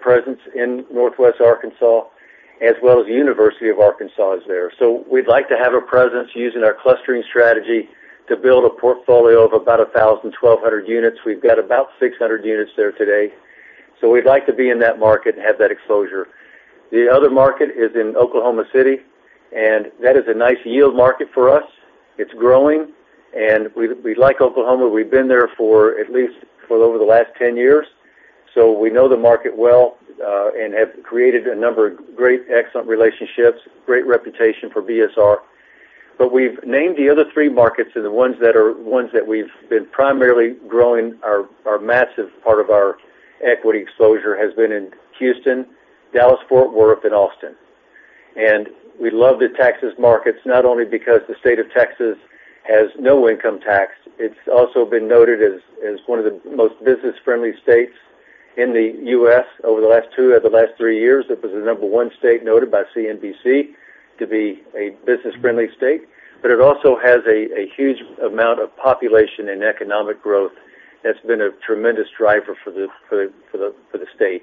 [SPEAKER 2] presence in Northwest Arkansas, as well as University of Arkansas is there. We'd like to have a presence using our clustering strategy to build a portfolio of about 1,200 units. We've got about 600 units there today, so we'd like to be in that market and have that exposure. The other market is in Oklahoma City, and that is a nice yield market for us. It's growing, and we like Oklahoma. We've been there for at least for over the last 10 years. We know the market well and have created a number of great, excellent relationships, great reputation for BSR. We've named the other three markets are the ones that we've been primarily growing. Our massive part of our equity exposure has been in Houston, Dallas-Fort Worth, and Austin. We love the Texas markets, not only because the state of Texas has no income tax, it's also been noted as one of the most business-friendly states in the U.S. over the last two or the last three years. It was the number one state noted by CNBC to be a business-friendly state. It also has a huge amount of population and economic growth that's been a tremendous driver for the state.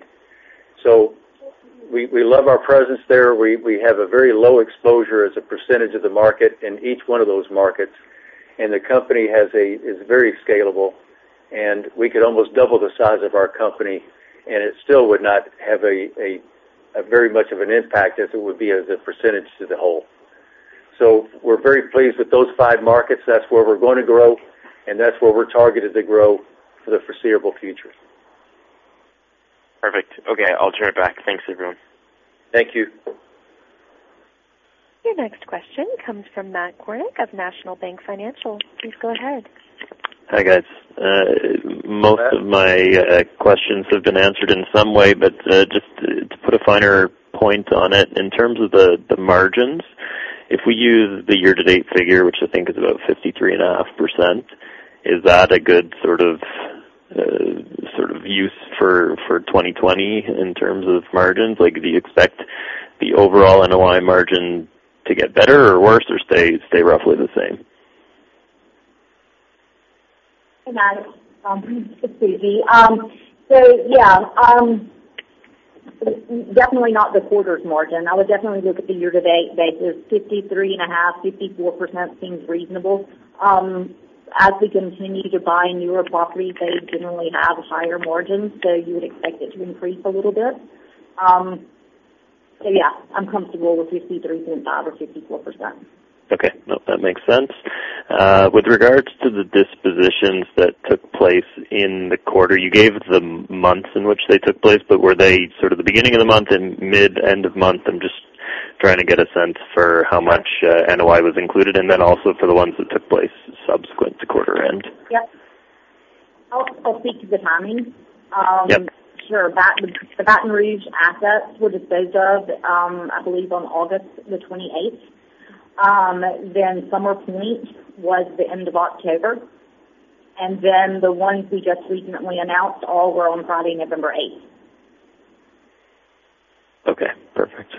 [SPEAKER 2] We love our presence there. We have a very low exposure as a percentage of the market in each one of those markets, and the company is very scalable, and we could almost double the size of our company, and it still would not have a very much of an impact as it would be as a percentage to the whole. We're very pleased with those five markets. That's where we're going to grow, and that's where we're targeted to grow for the foreseeable future.
[SPEAKER 8] Perfect. Okay, I'll turn it back. Thanks, everyone.
[SPEAKER 2] Thank you.
[SPEAKER 1] Your next question comes from Matt Kornack of National Bank Financial. Please go ahead.
[SPEAKER 9] Hi, guys.
[SPEAKER 2] Matt.
[SPEAKER 9] Most of my questions have been answered in some way, just to put a finer point on it, in terms of the margins, if we use the year-to-date figure, which I think is about 53.5%, is that a good sort of use for 2020 in terms of margins? Do you expect the overall NOI margin to get better or worse, or stay roughly the same?
[SPEAKER 3] Hey, Matt. This is Susie. Yeah. Definitely not the quarter's margin. I would definitely look at the year-to-date basis, 53.5%, 54% seems reasonable. As we continue to buy newer properties, they generally have higher margins, so you would expect it to increase a little bit. Yeah, I'm comfortable with 53.5% or 54%.
[SPEAKER 9] Okay. No, that makes sense. With regards to the dispositions that took place in the quarter, you gave the months in which they took place, were they sort of the beginning of the month and mid, end of month? I'm just trying to get a sense for how much NOI was included, then also for the ones that took place subsequent to quarter end.
[SPEAKER 3] Yes. I'll speak to the timing.
[SPEAKER 9] Yep.
[SPEAKER 3] Sure. The Baton Rouge assets were disposed of, I believe, on August 28th. Summer Pointe was the end of October. The ones we just recently announced all were on Friday, November 8th.
[SPEAKER 9] Okay, perfect.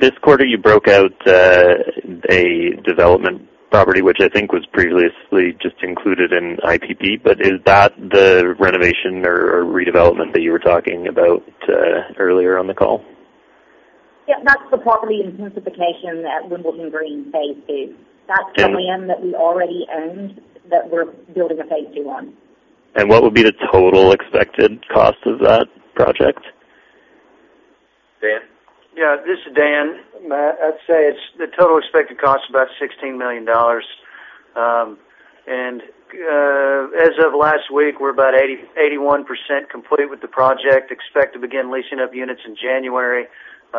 [SPEAKER 9] This quarter, you broke out a development property, which I think was previously just included in IPP, but is that the renovation or redevelopment that you were talking about earlier on the call?
[SPEAKER 3] Yeah, that's the property intensification at Wimbledon Green, phase two.
[SPEAKER 9] Okay.
[SPEAKER 3] That's the land that we already owned that we're building a phase two on.
[SPEAKER 9] What would be the total expected cost of that project?
[SPEAKER 2] Dan?
[SPEAKER 5] Yeah. This is Dan. Matt, I'd say the total expected cost is about $16 million. As of last week, we're about 81% complete with the project. Expect to begin leasing up units in January,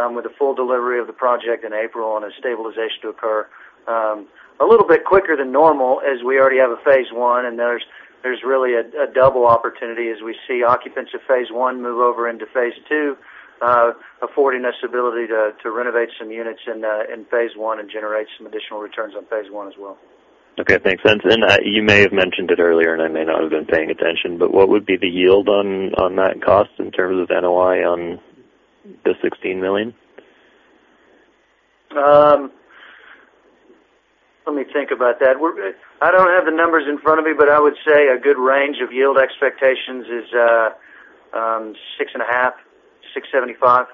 [SPEAKER 5] with a full delivery of the project in April, and a stabilization to occur a little bit quicker than normal, as we already have a phase 1, and there's really a double opportunity as we see occupants of phase 1 move over into phase 2. Affording us the ability to renovate some units in phase 1 and generate some additional returns on phase 1 as well.
[SPEAKER 9] Okay, makes sense. You may have mentioned it earlier, and I may not have been paying attention, but what would be the yield on that cost in terms of NOI on the $16 million?
[SPEAKER 5] Let me think about that. I don't have the numbers in front of me, but I would say a good range of yield expectations is 6.5%, 6.75%.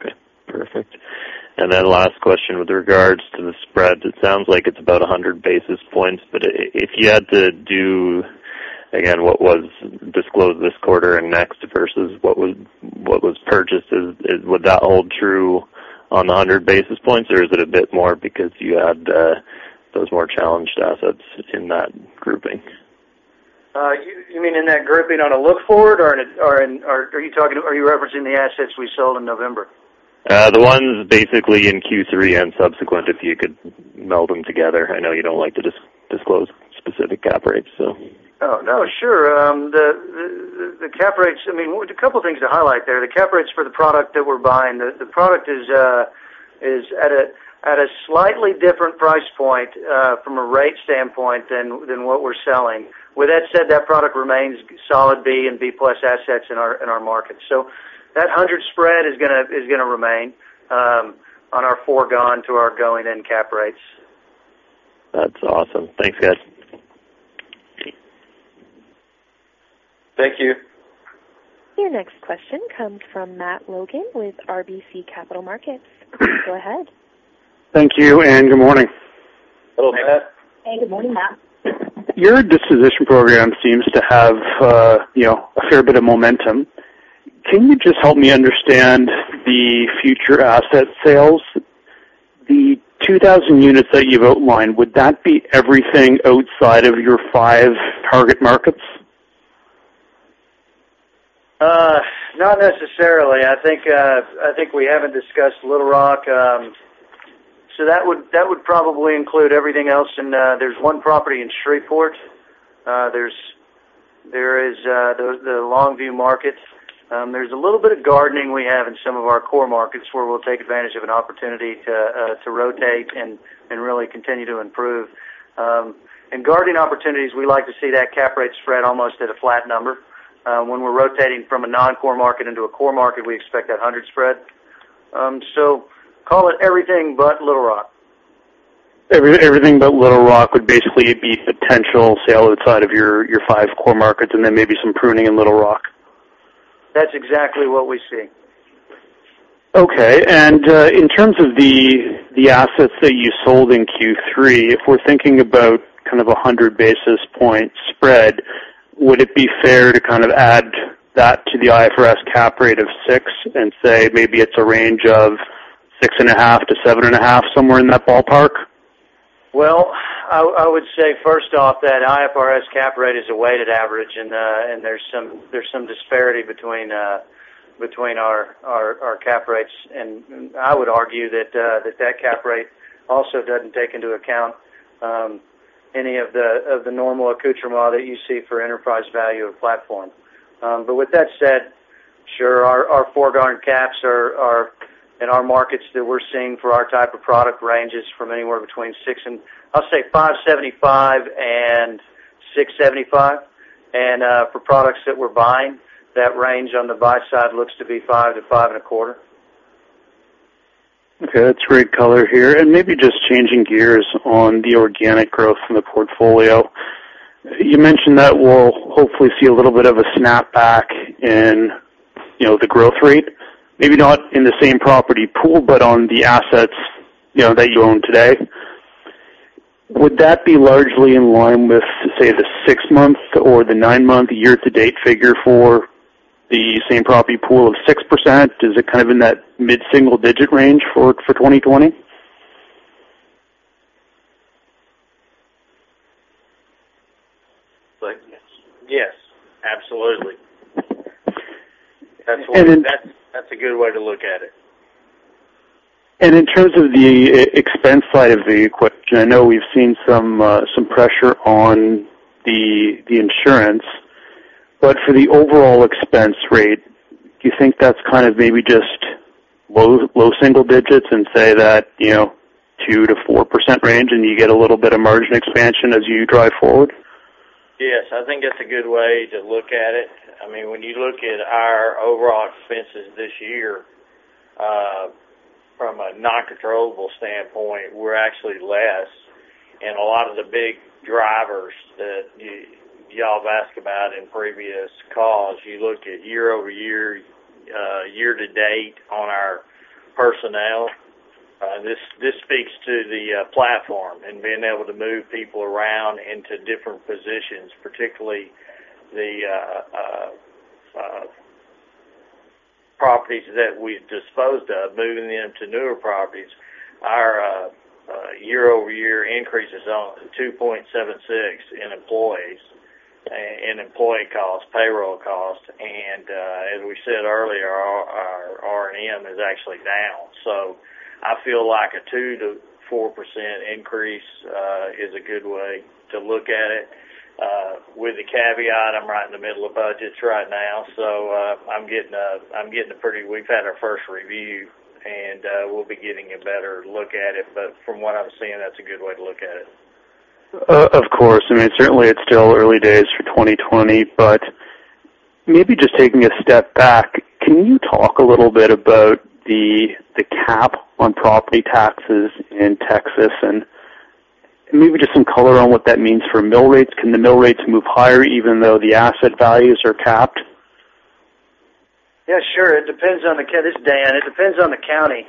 [SPEAKER 9] Okay, perfect. Last question with regards to the spreads. It sounds like it's about 100 basis points, but if you had to do, again, what was disclosed this quarter and next versus what was purchased, would that hold true on the 100 basis points or is it a bit more because you add those more challenged assets in that grouping?
[SPEAKER 5] You mean in that grouping on a look forward, or are you referencing the assets we sold in November?
[SPEAKER 9] The ones basically in Q3 and subsequent, if you could meld them together. I know you don't like to disclose specific cap rates.
[SPEAKER 5] Oh, no, sure. A couple things to highlight there. The cap rates for the product that we're buying, the product is at a slightly different price point from a rate standpoint than what we're selling. With that said, that product remains solid B and B+ assets in our market. That 100 spread is going to remain on our foregone to our going-in cap rates.
[SPEAKER 9] That's awesome. Thanks, guys.
[SPEAKER 5] Thank you.
[SPEAKER 1] Your next question comes from Matt Logan with RBC Capital Markets. Go ahead.
[SPEAKER 10] Thank you, and good morning.
[SPEAKER 5] Hello, Matt.
[SPEAKER 3] Hey, good morning, Matt.
[SPEAKER 10] Your disposition program seems to have a fair bit of momentum. Can you just help me understand the future asset sales? The 2,000 units that you've outlined, would that be everything outside of your five target markets?
[SPEAKER 5] Not necessarily. I think we haven't discussed Little Rock. That would probably include everything else, and there's one property in Shreveport. There's the Longview market. There's a little bit of gardening we have in some of our core markets where we'll take advantage of an opportunity to rotate and really continue to improve. In gardening opportunities, we like to see that cap rate spread almost at a flat number. When we're rotating from a non-core market into a core market, we expect that 100 spread. Call it everything but Little Rock.
[SPEAKER 10] Everything but Little Rock would basically be potential sale outside of your five core markets, and then maybe some pruning in Little Rock?
[SPEAKER 5] That's exactly what we see.
[SPEAKER 10] Okay. In terms of the assets that you sold in Q3, if we're thinking about kind of 100 basis point spread, would it be fair to add that to the IFRS cap rate of 6 and say maybe it's a range of 6.5-7.5, somewhere in that ballpark?
[SPEAKER 5] Well, I would say first off that IFRS cap rate is a weighted average, and there's some disparity between our cap rates, and I would argue that that cap rate also doesn't take into account any of the normal accoutrement that you see for enterprise value of platform. With that said, sure, our foregone caps in our markets that we're seeing for our type of product ranges from anywhere between, I'll say 575 and 675. For products that we're buying, that range on the buy side looks to be five to five and a quarter.
[SPEAKER 10] Okay. That's great color here. Maybe just changing gears on the organic growth in the portfolio. You mentioned that we'll hopefully see a little bit of a snapback in the growth rate, maybe not in the same property pool, but on the assets that you own today. Would that be largely in line with, say, the six-month or the nine-month year-to-date figure for the same property pool of 6%? Is it kind of in that mid-single-digit range for 2020?
[SPEAKER 5] Yes, absolutely. That's a good way to look at it.
[SPEAKER 10] In terms of the expense side of the equation, I know we've seen some pressure on the insurance. For the overall expense rate, do you think that's maybe just low single digits and say that 2%-4% range, and you get a little bit of margin expansion as you drive forward?
[SPEAKER 5] Yes, I think that's a good way to look at it. You look at our overall expenses this year, from a non-controllable standpoint, we're actually less. A lot of the big drivers that you all have asked about in previous calls, you look at year-over-year, year-to-date on our personnel. This speaks to the platform and being able to move people around into different positions, particularly the properties that we've disposed of, moving them to newer properties. Our year-over-year increase is only 2.76 in employee costs, payroll costs.
[SPEAKER 6] Our R&M is actually down. I feel like a 2%-4% increase is a good way to look at it, with the caveat, I'm right in the middle of budgets right now, so we've had our first review and we'll be getting a better look at it. From what I'm seeing, that's a good way to look at it.
[SPEAKER 10] Of course. Certainly, it's still early days for 2020, but maybe just taking a step back, can you talk a little bit about the cap on property taxes in Texas and maybe just some color on what that means for mill rates? Can the mill rates move higher even though the asset values are capped?
[SPEAKER 5] Yeah, sure. This is Dan. It depends on the county.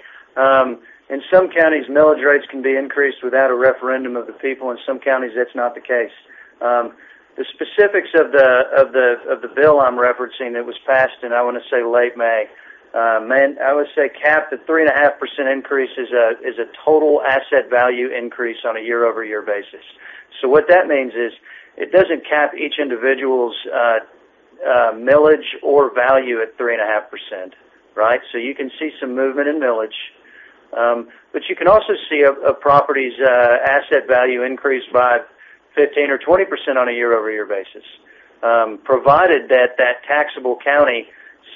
[SPEAKER 5] In some counties, millage rates can be increased without a referendum of the people. In some counties, that's not the case. The specifics of the bill I'm referencing, it was passed in, I want to say, late May. I would say capped at 3.5% increase is a total asset value increase on a year-over-year basis. What that means is it doesn't cap each individual's millage or value at 3.5%. You can see some movement in millage, but you can also see a property's asset value increase by 15% or 20% on a year-over-year basis, provided that that taxable county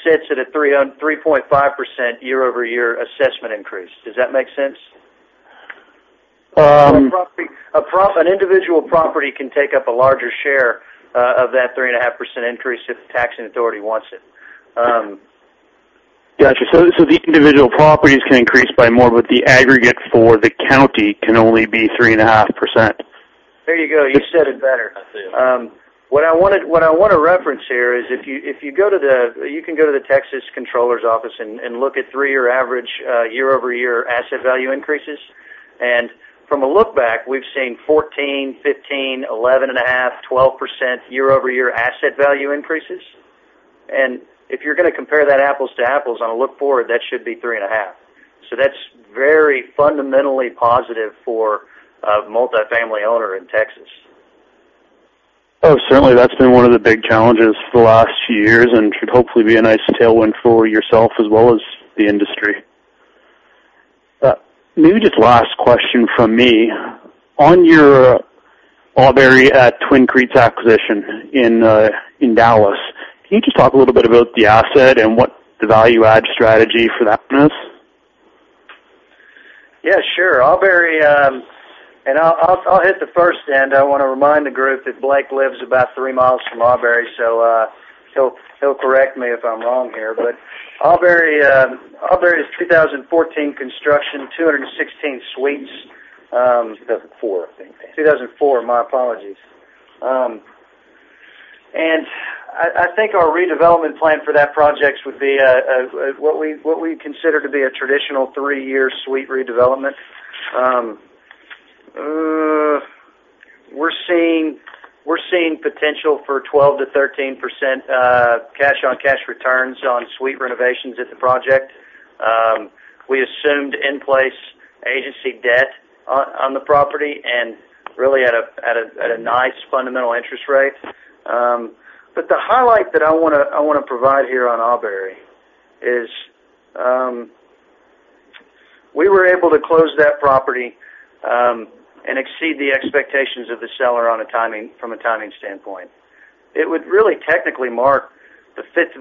[SPEAKER 5] sits at a 3.5% year-over-year assessment increase. Does that make sense?
[SPEAKER 10] Um-
[SPEAKER 5] An individual property can take up a larger share of that 3.5% increase if the taxing authority wants it.
[SPEAKER 10] Got you. The individual properties can increase by more, but the aggregate for the county can only be 3.5%.
[SPEAKER 5] There you go. You said it better.
[SPEAKER 6] That's it.
[SPEAKER 5] What I want to reference here is, you can go to the Texas Comptroller's office and look at three-year average, year-over-year asset value increases. From a look back, we've seen 14, 15, 11.5, 12% year-over-year asset value increases. If you're going to compare that apples to apples on a look forward, that should be 3.5%. That's very fundamentally positive for a multi-family owner in Texas.
[SPEAKER 10] Oh, certainly, that's been one of the big challenges for the last few years and should hopefully be a nice tailwind for yourself as well as the industry. Maybe just last question from me. On your Auberry at Twin Creeks acquisition in Dallas, can you just talk a little bit about the asset and what the value add strategy for that is?
[SPEAKER 5] Yeah, sure. I'll hit the first end. I want to remind the group that Blake lives about three miles from Auberry, so he'll correct me if I'm wrong here. Auberry is 2014 construction, 216 suites.
[SPEAKER 6] 2004, I think.
[SPEAKER 5] 2004. My apologies. I think our redevelopment plan for that project would be what we consider to be a traditional three-year suite redevelopment. We're seeing potential for 12%-13% cash-on-cash returns on suite renovations at the project. We assumed in place agency debt on the property and really at a nice fundamental interest rate. The highlight that I want to provide here on Auberry is, we were able to close that property, and exceed the expectations of the seller from a timing standpoint. It would really technically mark the fifth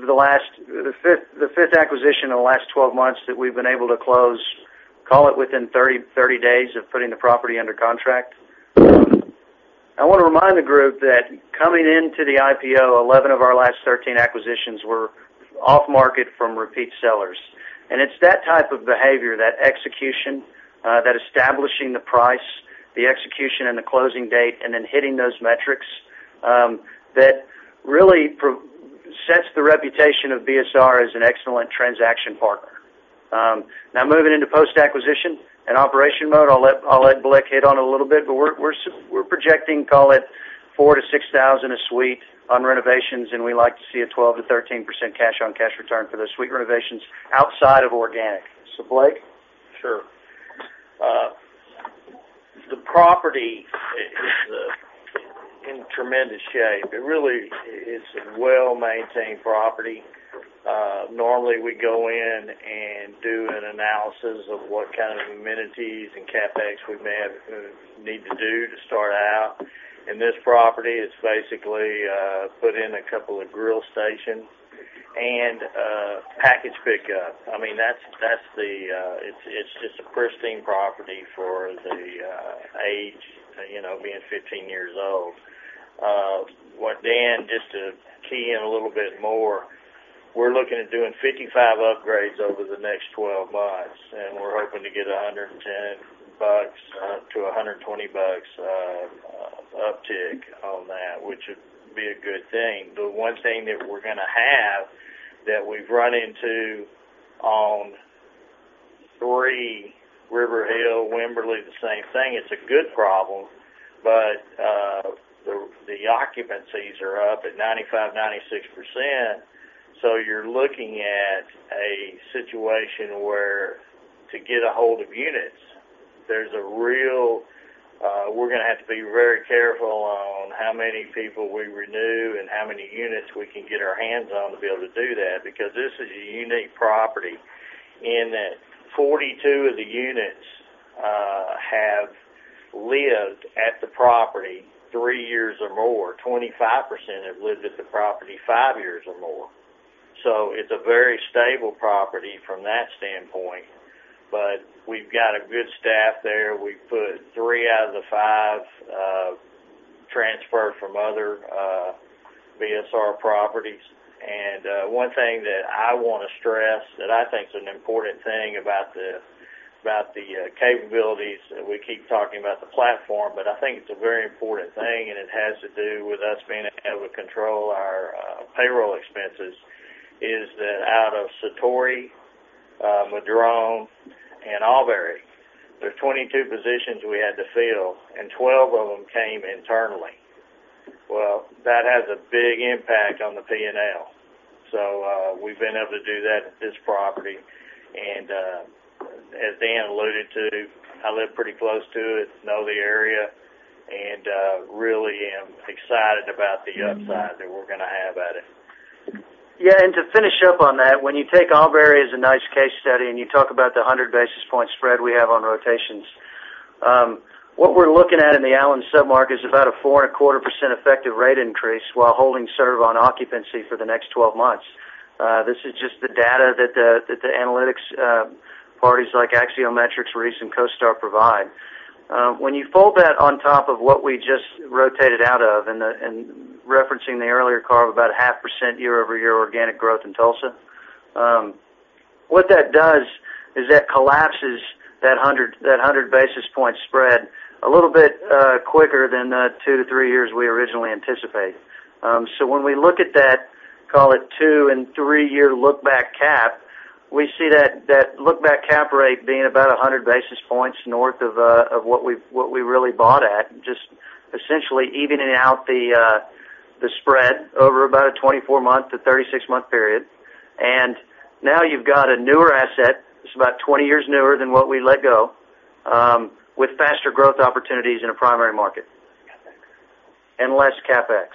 [SPEAKER 5] acquisition in the last 12 months that we've been able to close, call it within 30 days of putting the property under contract. I want to remind the group that coming into the IPO, 11 of our last 13 acquisitions were off-market from repeat sellers. It's that type of behavior, that execution, that establishing the price, the execution, and the closing date, and then hitting those metrics, that really sets the reputation of BSR as an excellent transaction partner. Now, moving into post-acquisition and operation mode, I'll let Blake hit on a little bit, but we're projecting, call it $4,000-$6,000 a suite on renovations, and we like to see a 12%-13% cash-on-cash return for the suite renovations outside of organic. Blake?
[SPEAKER 6] Sure. The property is in tremendous shape. It really is a well-maintained property. Normally, we go in and do an analysis of what kind of amenities and CapEx we may need to do to start out. In this property, it's basically put in a couple of grill stations and a package pickup. It's just a pristine property for the age, being 15 years old. What Dan, just to key in a little bit more, we're looking at doing 55 upgrades over the next 12 months, and we're hoping to get a $110-$120 uptick on that, which would be a good thing. The one thing that we're going to have that we've run into on three, River Hill, Wimberley, the same thing. It's a good problem, the occupancies are up at 95%, 96%. You're looking at a situation where to get a hold of units, we're going to have to be very careful on how many people we renew and how many units we can get our hands on to be able to do that, because this is a unique property in that 42 of the units have lived at the property three years or more. 25% have lived at the property five years or more. It's a very stable property from that standpoint. We've got a good staff there. We've put three out of the five transfers from other BSR properties. One thing that I want to stress that I think is an important thing about the capabilities, we keep talking about the platform, but I think it's a very important thing, and it has to do with us being able to control our payroll expenses, is that out of Satori, Madrone, and Auberry, there's 22 positions we had to fill, and 12 of them came internally. That has a big impact on the P&L. We've been able to do that at this property. As Dan alluded to, I live pretty close to it, know the area, and really am excited about the upside that we're going to have at it.
[SPEAKER 5] Yeah, to finish up on that, when you take Auberry as a nice case study, and you talk about the 100 basis point spread we have on rotations. What we're looking at in the Allen sub-market is about a 4.25% effective rate increase while holding serve on occupancy for the next 12 months. This is just the data that the analytics parties like Axiometrics, REIS, and CoStar provide. When you fold that on top of what we just rotated out of, and referencing the earlier call of about 0.5% year-over-year organic growth in Tulsa. What that does is that collapses that 100 basis point spread a little bit quicker than the two to three years we originally anticipated. When we look at that, call it two- and three-year look-back cap, we see that look-back cap rate being about 100 basis points north of what we really bought at, just essentially evening out the spread over about a 24-month to 36-month period. Now you've got a newer asset. It's about 20 years newer than what we let go, with faster growth opportunities in a primary market. Less CapEx.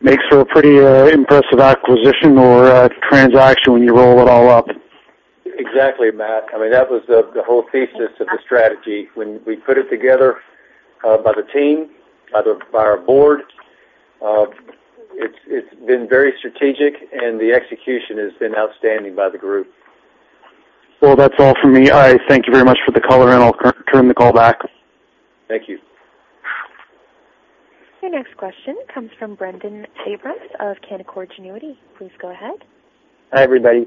[SPEAKER 10] Makes for a pretty impressive acquisition or transaction when you roll it all up.
[SPEAKER 5] Exactly, Matt. That was the whole thesis of the strategy. When we put it together by the team, by our board, it's been very strategic, and the execution has been outstanding by the group.
[SPEAKER 10] Well, that's all for me. I thank you very much for the call, and I'll turn the call back.
[SPEAKER 5] Thank you.
[SPEAKER 1] Your next question comes from Brendon Abrams of Canaccord Genuity. Please go ahead.
[SPEAKER 11] Hi, everybody.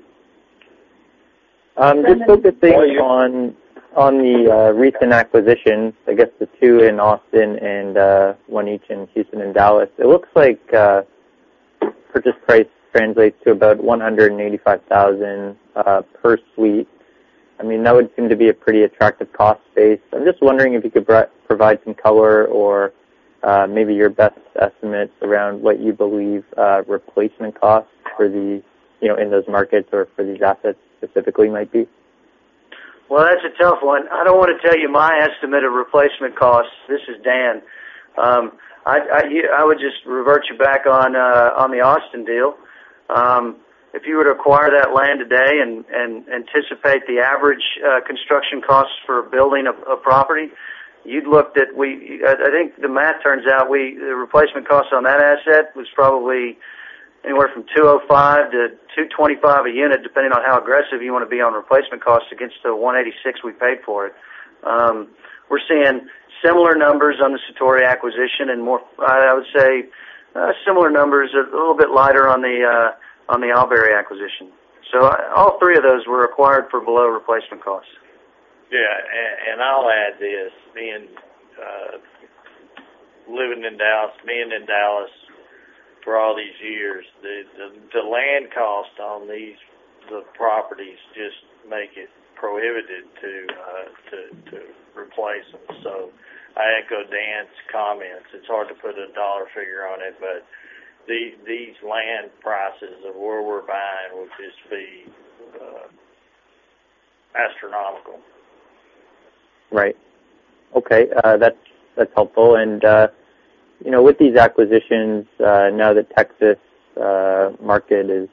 [SPEAKER 3] Brendon.
[SPEAKER 2] How are you?
[SPEAKER 11] Just focusing on the recent acquisitions, I guess the two in Austin and one each in Houston and Dallas. It looks like purchase price translates to about $185,000 per suite. That would seem to be a pretty attractive cost base. I'm just wondering if you could provide some color or maybe your best estimates around what you believe replacement costs in those markets or for these assets specifically might be.
[SPEAKER 5] Well, that's a tough one. I don't want to tell you my estimate of replacement costs. This is Dan. I would just revert you back on the Austin deal. If you were to acquire that land today and anticipate the average construction costs for building a property, I think the math turns out the replacement cost on that asset was probably anywhere from $205,000-$225,000 a unit, depending on how aggressive you want to be on replacement costs against the $186,000 we paid for it. We're seeing similar numbers on the Satori acquisition, and I would say similar numbers, a little bit lighter on the Auberry acquisition. All three of those were acquired for below replacement costs.
[SPEAKER 6] I'll add this. Living in Dallas, being in Dallas for all these years, the land cost on these properties just make it prohibited to replace them. I echo Dan's comments. It's hard to put a dollar figure on it, but these land prices of where we're buying would just be astronomical.
[SPEAKER 11] Right. Okay. That's helpful. With these acquisitions, now the Texas market is,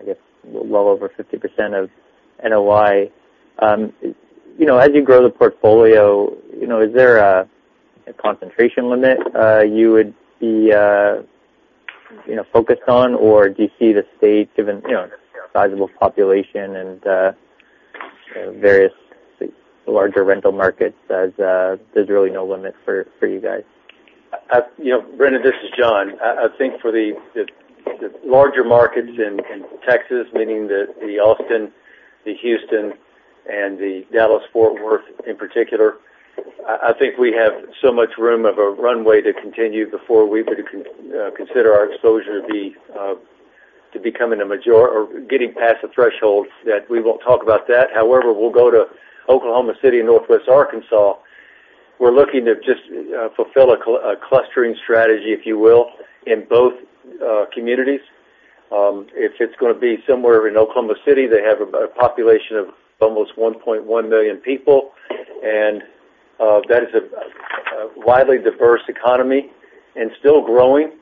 [SPEAKER 11] I guess well over 50% of NOI. As you grow the portfolio, is there a concentration limit you would be focused on, or do you see the state, given its sizable population and various larger rental markets as there's really no limit for you guys?
[SPEAKER 2] Brendon, this is John. I think for the larger markets in Texas, meaning the Austin, the Houston, and the Dallas-Fort Worth in particular, I think we have so much room of a runway to continue before we would consider our exposure to getting past the thresholds that we won't talk about that. However, we'll go to Oklahoma City and Northwest Arkansas. We're looking to just fulfill a clustering strategy, if you will, in both communities. If it's going to be somewhere in Oklahoma City, they have a population of almost 1.1 million people, that is a widely diverse economy and still growing.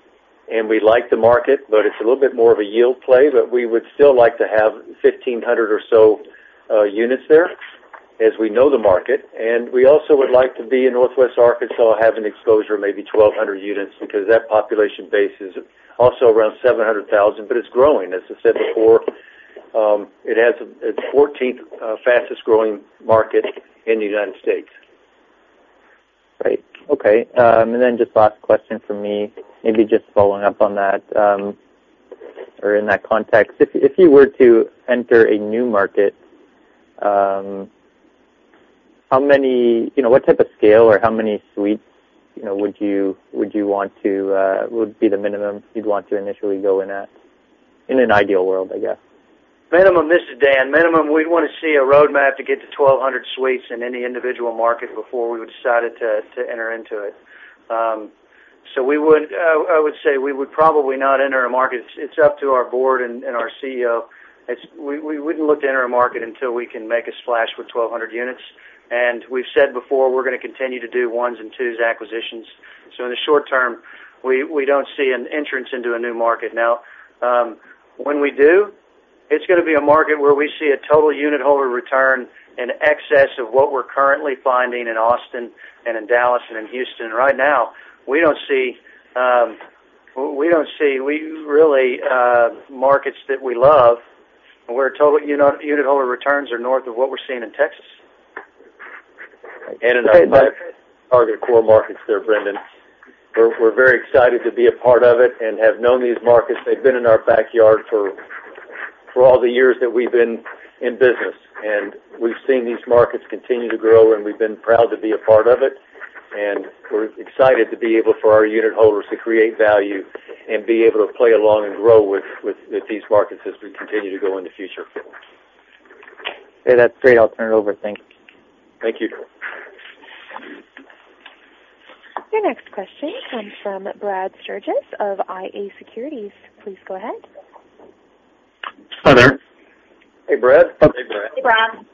[SPEAKER 2] We like the market, but it's a little bit more of a yield play, but we would still like to have 1,500 or so units there, as we know the market. We also would like to be in Northwest Arkansas, have an exposure of maybe 1,200 units, because that population base is also around 700,000, but it's growing. As I said before, it's the 14th fastest-growing market in the U.S.
[SPEAKER 11] Right. Okay. Just last question from me, maybe just following up on that, or in that context, if you were to enter a new market, what type of scale or how many suites would be the minimum you'd want to initially go in at, in an ideal world, I guess?
[SPEAKER 5] Minimum, this is Dan. Minimum, we'd want to see a roadmap to get to 1,200 suites in any individual market before we would decide to enter into it. I would say we would probably not enter a market. It's up to our board and our CEO. We wouldn't look to enter a market until we can make a splash with 1,200 units. We've said before, we're going to continue to do ones and twos acquisitions. In the short term, we don't see an entrance into a new market. Now, when we do, it's going to be a market where we see a total unit holder return in excess of what we're currently finding in Austin and in Dallas and in Houston. Right now, we don't see markets that we love, where total unit holder returns are north of what we're seeing in Texas.
[SPEAKER 2] In our target core markets there, Brendon, we're very excited to be a part of it and have known these markets. They've been in our backyard for all the years that we've been in business, and we've seen these markets continue to grow, and we've been proud to be a part of it. We're excited to be able for our unit holders to create value and be able to play along and grow with these markets as we continue to go in the future.
[SPEAKER 11] Okay. That's great. I'll turn it over. Thank you.
[SPEAKER 2] Thank you.
[SPEAKER 1] Your next question comes from Brad Sturges of iA Securities. Please go ahead.
[SPEAKER 12] Hi there.
[SPEAKER 2] Hey, Brad.
[SPEAKER 3] Hey, Brad.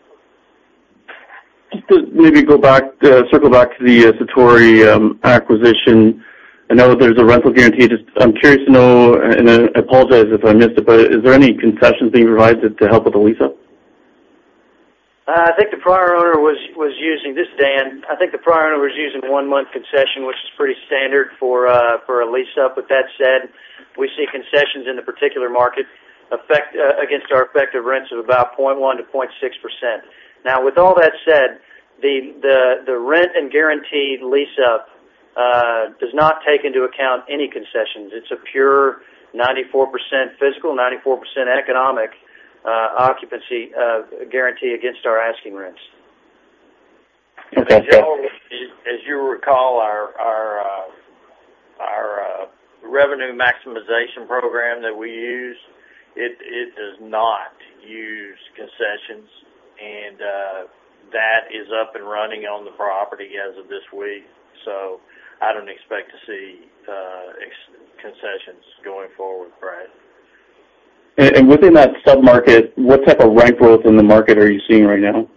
[SPEAKER 12] To maybe circle back to the Satori acquisition. I know there's a rental guarantee. I'm curious to know, I apologize if I missed it, is there any concessions being provided to help with the lease-up?
[SPEAKER 5] This is Dan. I think the prior owner was using a one-month concession, which is pretty standard for a lease-up. With that said, we see concessions in the particular market against our effective rents of about 0.1%-0.6%. With all that said, the rent and guaranteed lease-up does not take into account any concessions. It's a pure 94% physical, 94% economic occupancy guarantee against our asking rents.
[SPEAKER 12] Okay.
[SPEAKER 2] As you recall, our revenue maximization program that we use, it does not use concessions, and that is up and running on the property as of this week. I don't expect to see concessions going forward, Brad.
[SPEAKER 12] Within that sub-market, what type of rent growth in the market are you seeing right now?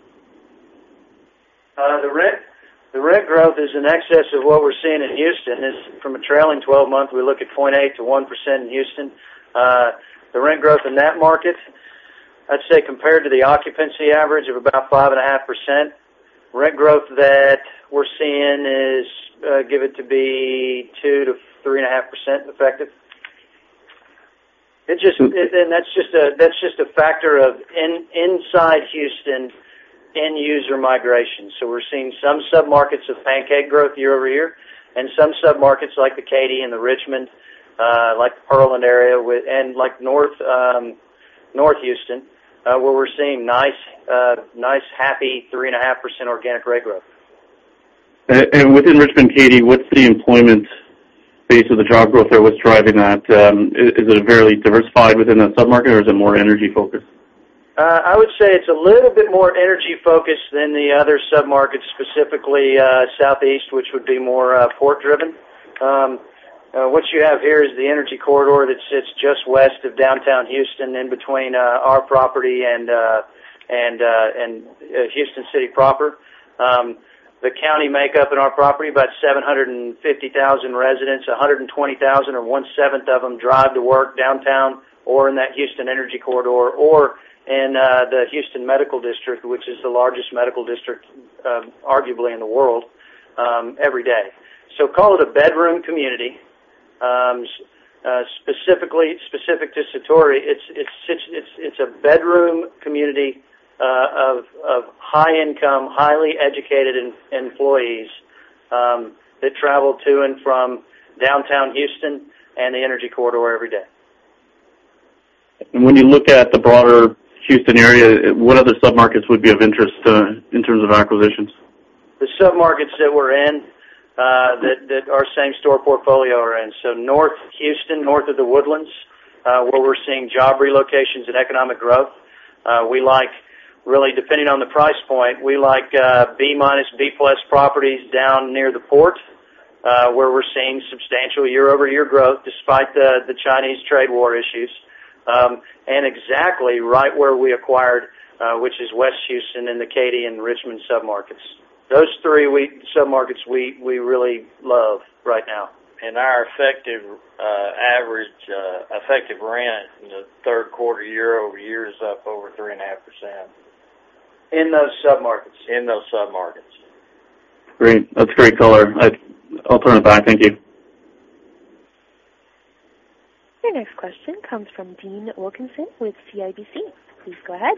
[SPEAKER 5] The rent growth is in excess of what we're seeing in Houston. From a trailing 12-month, we look at 0.8%-1% in Houston. The rent growth in that market, I'd say compared to the occupancy average of about 5.5%, rent growth that we're seeing is given to be 2%-3.5% effective. That's just a factor of inside Houston end-user migration. We're seeing some sub-markets of pancake growth year-over-year, and some sub-markets like the Katy and the Richmond, like the Pearland area, and North Houston, where we're seeing nice, happy 3.5% organic rent growth.
[SPEAKER 12] Within Richmond-Katy, what's the employment base or the job growth there, what's driving that? Is it fairly diversified within that sub-market, or is it more energy-focused?
[SPEAKER 5] I would say it's a little bit more energy-focused than the other sub-markets, specifically Southeast, which would be more port-driven. What you have here is the energy corridor that sits just west of downtown Houston in between our property and Houston city proper. The county makeup in our property, about 750,000 residents, 120,000 or one-seventh of them drive to work downtown or in that Houston energy corridor or in the Texas Medical Center, which is the largest medical district, arguably in the world, every day. Call it a bedroom community. Specific to Satori, it's a bedroom community of high-income, highly educated employees that travel to and from downtown Houston and the energy corridor every day.
[SPEAKER 12] When you look at the broader Houston area, what other sub-markets would be of interest in terms of acquisitions?
[SPEAKER 5] The submarkets that we're in, that our same-store portfolio are in. North Houston, north of The Woodlands, where we're seeing job relocations and economic growth. Really, depending on the price point, we like B-minus, B-plus properties down near the port. Where we're seeing substantial year-over-year growth despite the Chinese trade war issues, exactly right where we acquired, which is West Houston and the Katy and Richmond submarkets. Those three submarkets we really love right now.
[SPEAKER 2] Our average effective rent in the third quarter year-over-year is up over 3.5%.
[SPEAKER 5] In those submarkets.
[SPEAKER 2] In those submarkets.
[SPEAKER 12] Great. That's great color. I'll turn it back. Thank you.
[SPEAKER 1] Your next question comes from Dean Wilkinson with CIBC. Please go ahead.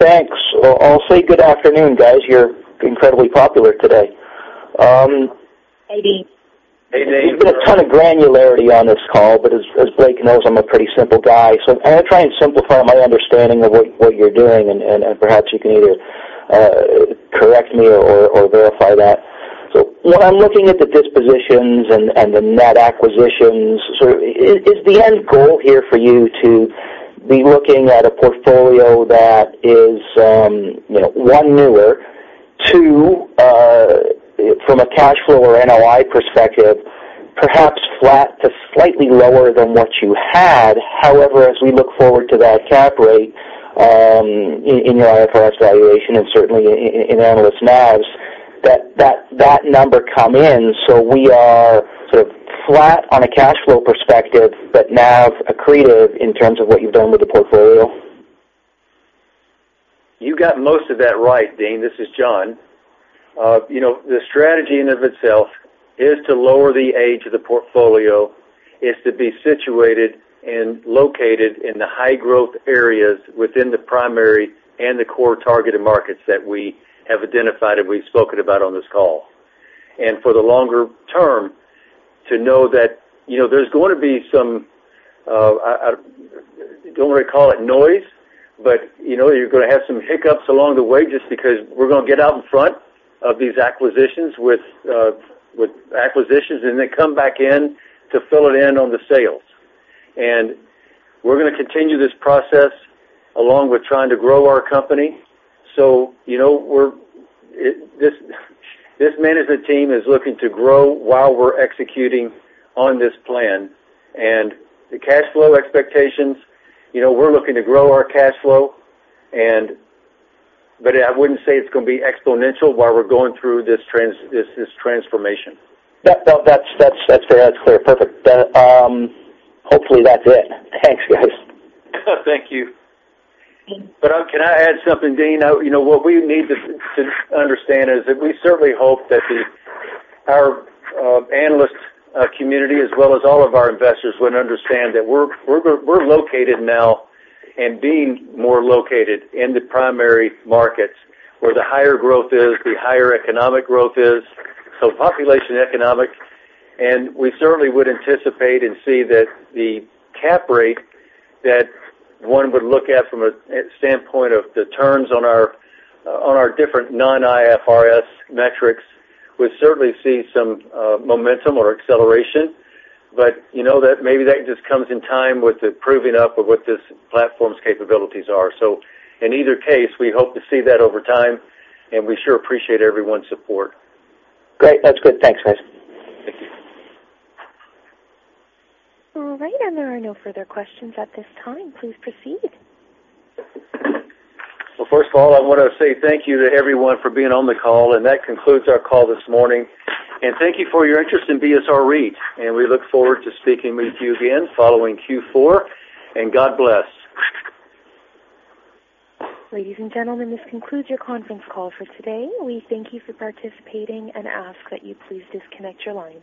[SPEAKER 13] Thanks. I'll say good afternoon, guys. You're incredibly popular today.
[SPEAKER 3] Hey, Dean.
[SPEAKER 2] Hey, Dean.
[SPEAKER 13] There's been a ton of granularity on this call, but as Blake knows, I'm a pretty simple guy, so I'm going to try and simplify my understanding of what you're doing, and perhaps you can either correct me or verify that. When I'm looking at the dispositions and the net acquisitions, is the end goal here for you to be looking at a portfolio that is one, newer, two, from a cash flow or NOI perspective, perhaps flat to slightly lower than what you had, as we look forward to that cap rate in your IFRS valuation and certainly in analyst NAVs, that number come in, so we are sort of flat on a cash flow perspective, but NAV accretive in terms of what you've done with the portfolio?
[SPEAKER 2] You got most of that right, Dean. This is John. The strategy in and of itself is to lower the age of the portfolio, is to be situated and located in the high-growth areas within the primary and the core targeted markets that we have identified and we've spoken about on this call. For the longer term, to know that there's going to be some, I don't want to call it noise, but you're going to have some hiccups along the way just because we're going to get out in front of these acquisitions with acquisitions, and then come back in to fill it in on the sales. We're going to continue this process along with trying to grow our company. This management team is looking to grow while we're executing on this plan. The cash flow expectations, we're looking to grow our cash flow, but I wouldn't say it's going to be exponential while we're going through this transformation.
[SPEAKER 13] That's fair. That's clear. Perfect. Hopefully that's it. Thanks, guys.
[SPEAKER 2] Thank you.
[SPEAKER 5] Dean. Can I add something, Dean? What we need to understand is that we certainly hope that our analyst community, as well as all of our investors, would understand that we're located now and being more located in the primary markets where the higher growth is, the higher economic growth is. Population economics, and we certainly would anticipate and see that the cap rate that one would look at from a standpoint of the terms on our different non-IFRS metrics, we certainly see some momentum or acceleration. Maybe that just comes in time with the proving up of what this platform's capabilities are. In either case, we hope to see that over time, and we sure appreciate everyone's support.
[SPEAKER 13] Great. That's good. Thanks, guys.
[SPEAKER 2] Thank you.
[SPEAKER 1] All right, there are no further questions at this time. Please proceed.
[SPEAKER 2] Well, first of all, I want to say thank you to everyone for being on the call. That concludes our call this morning. Thank you for your interest in BSR REIT. We look forward to speaking with you again following Q4. God bless.
[SPEAKER 1] Ladies and gentlemen, this concludes your conference call for today. We thank you for participating and ask that you please disconnect your line.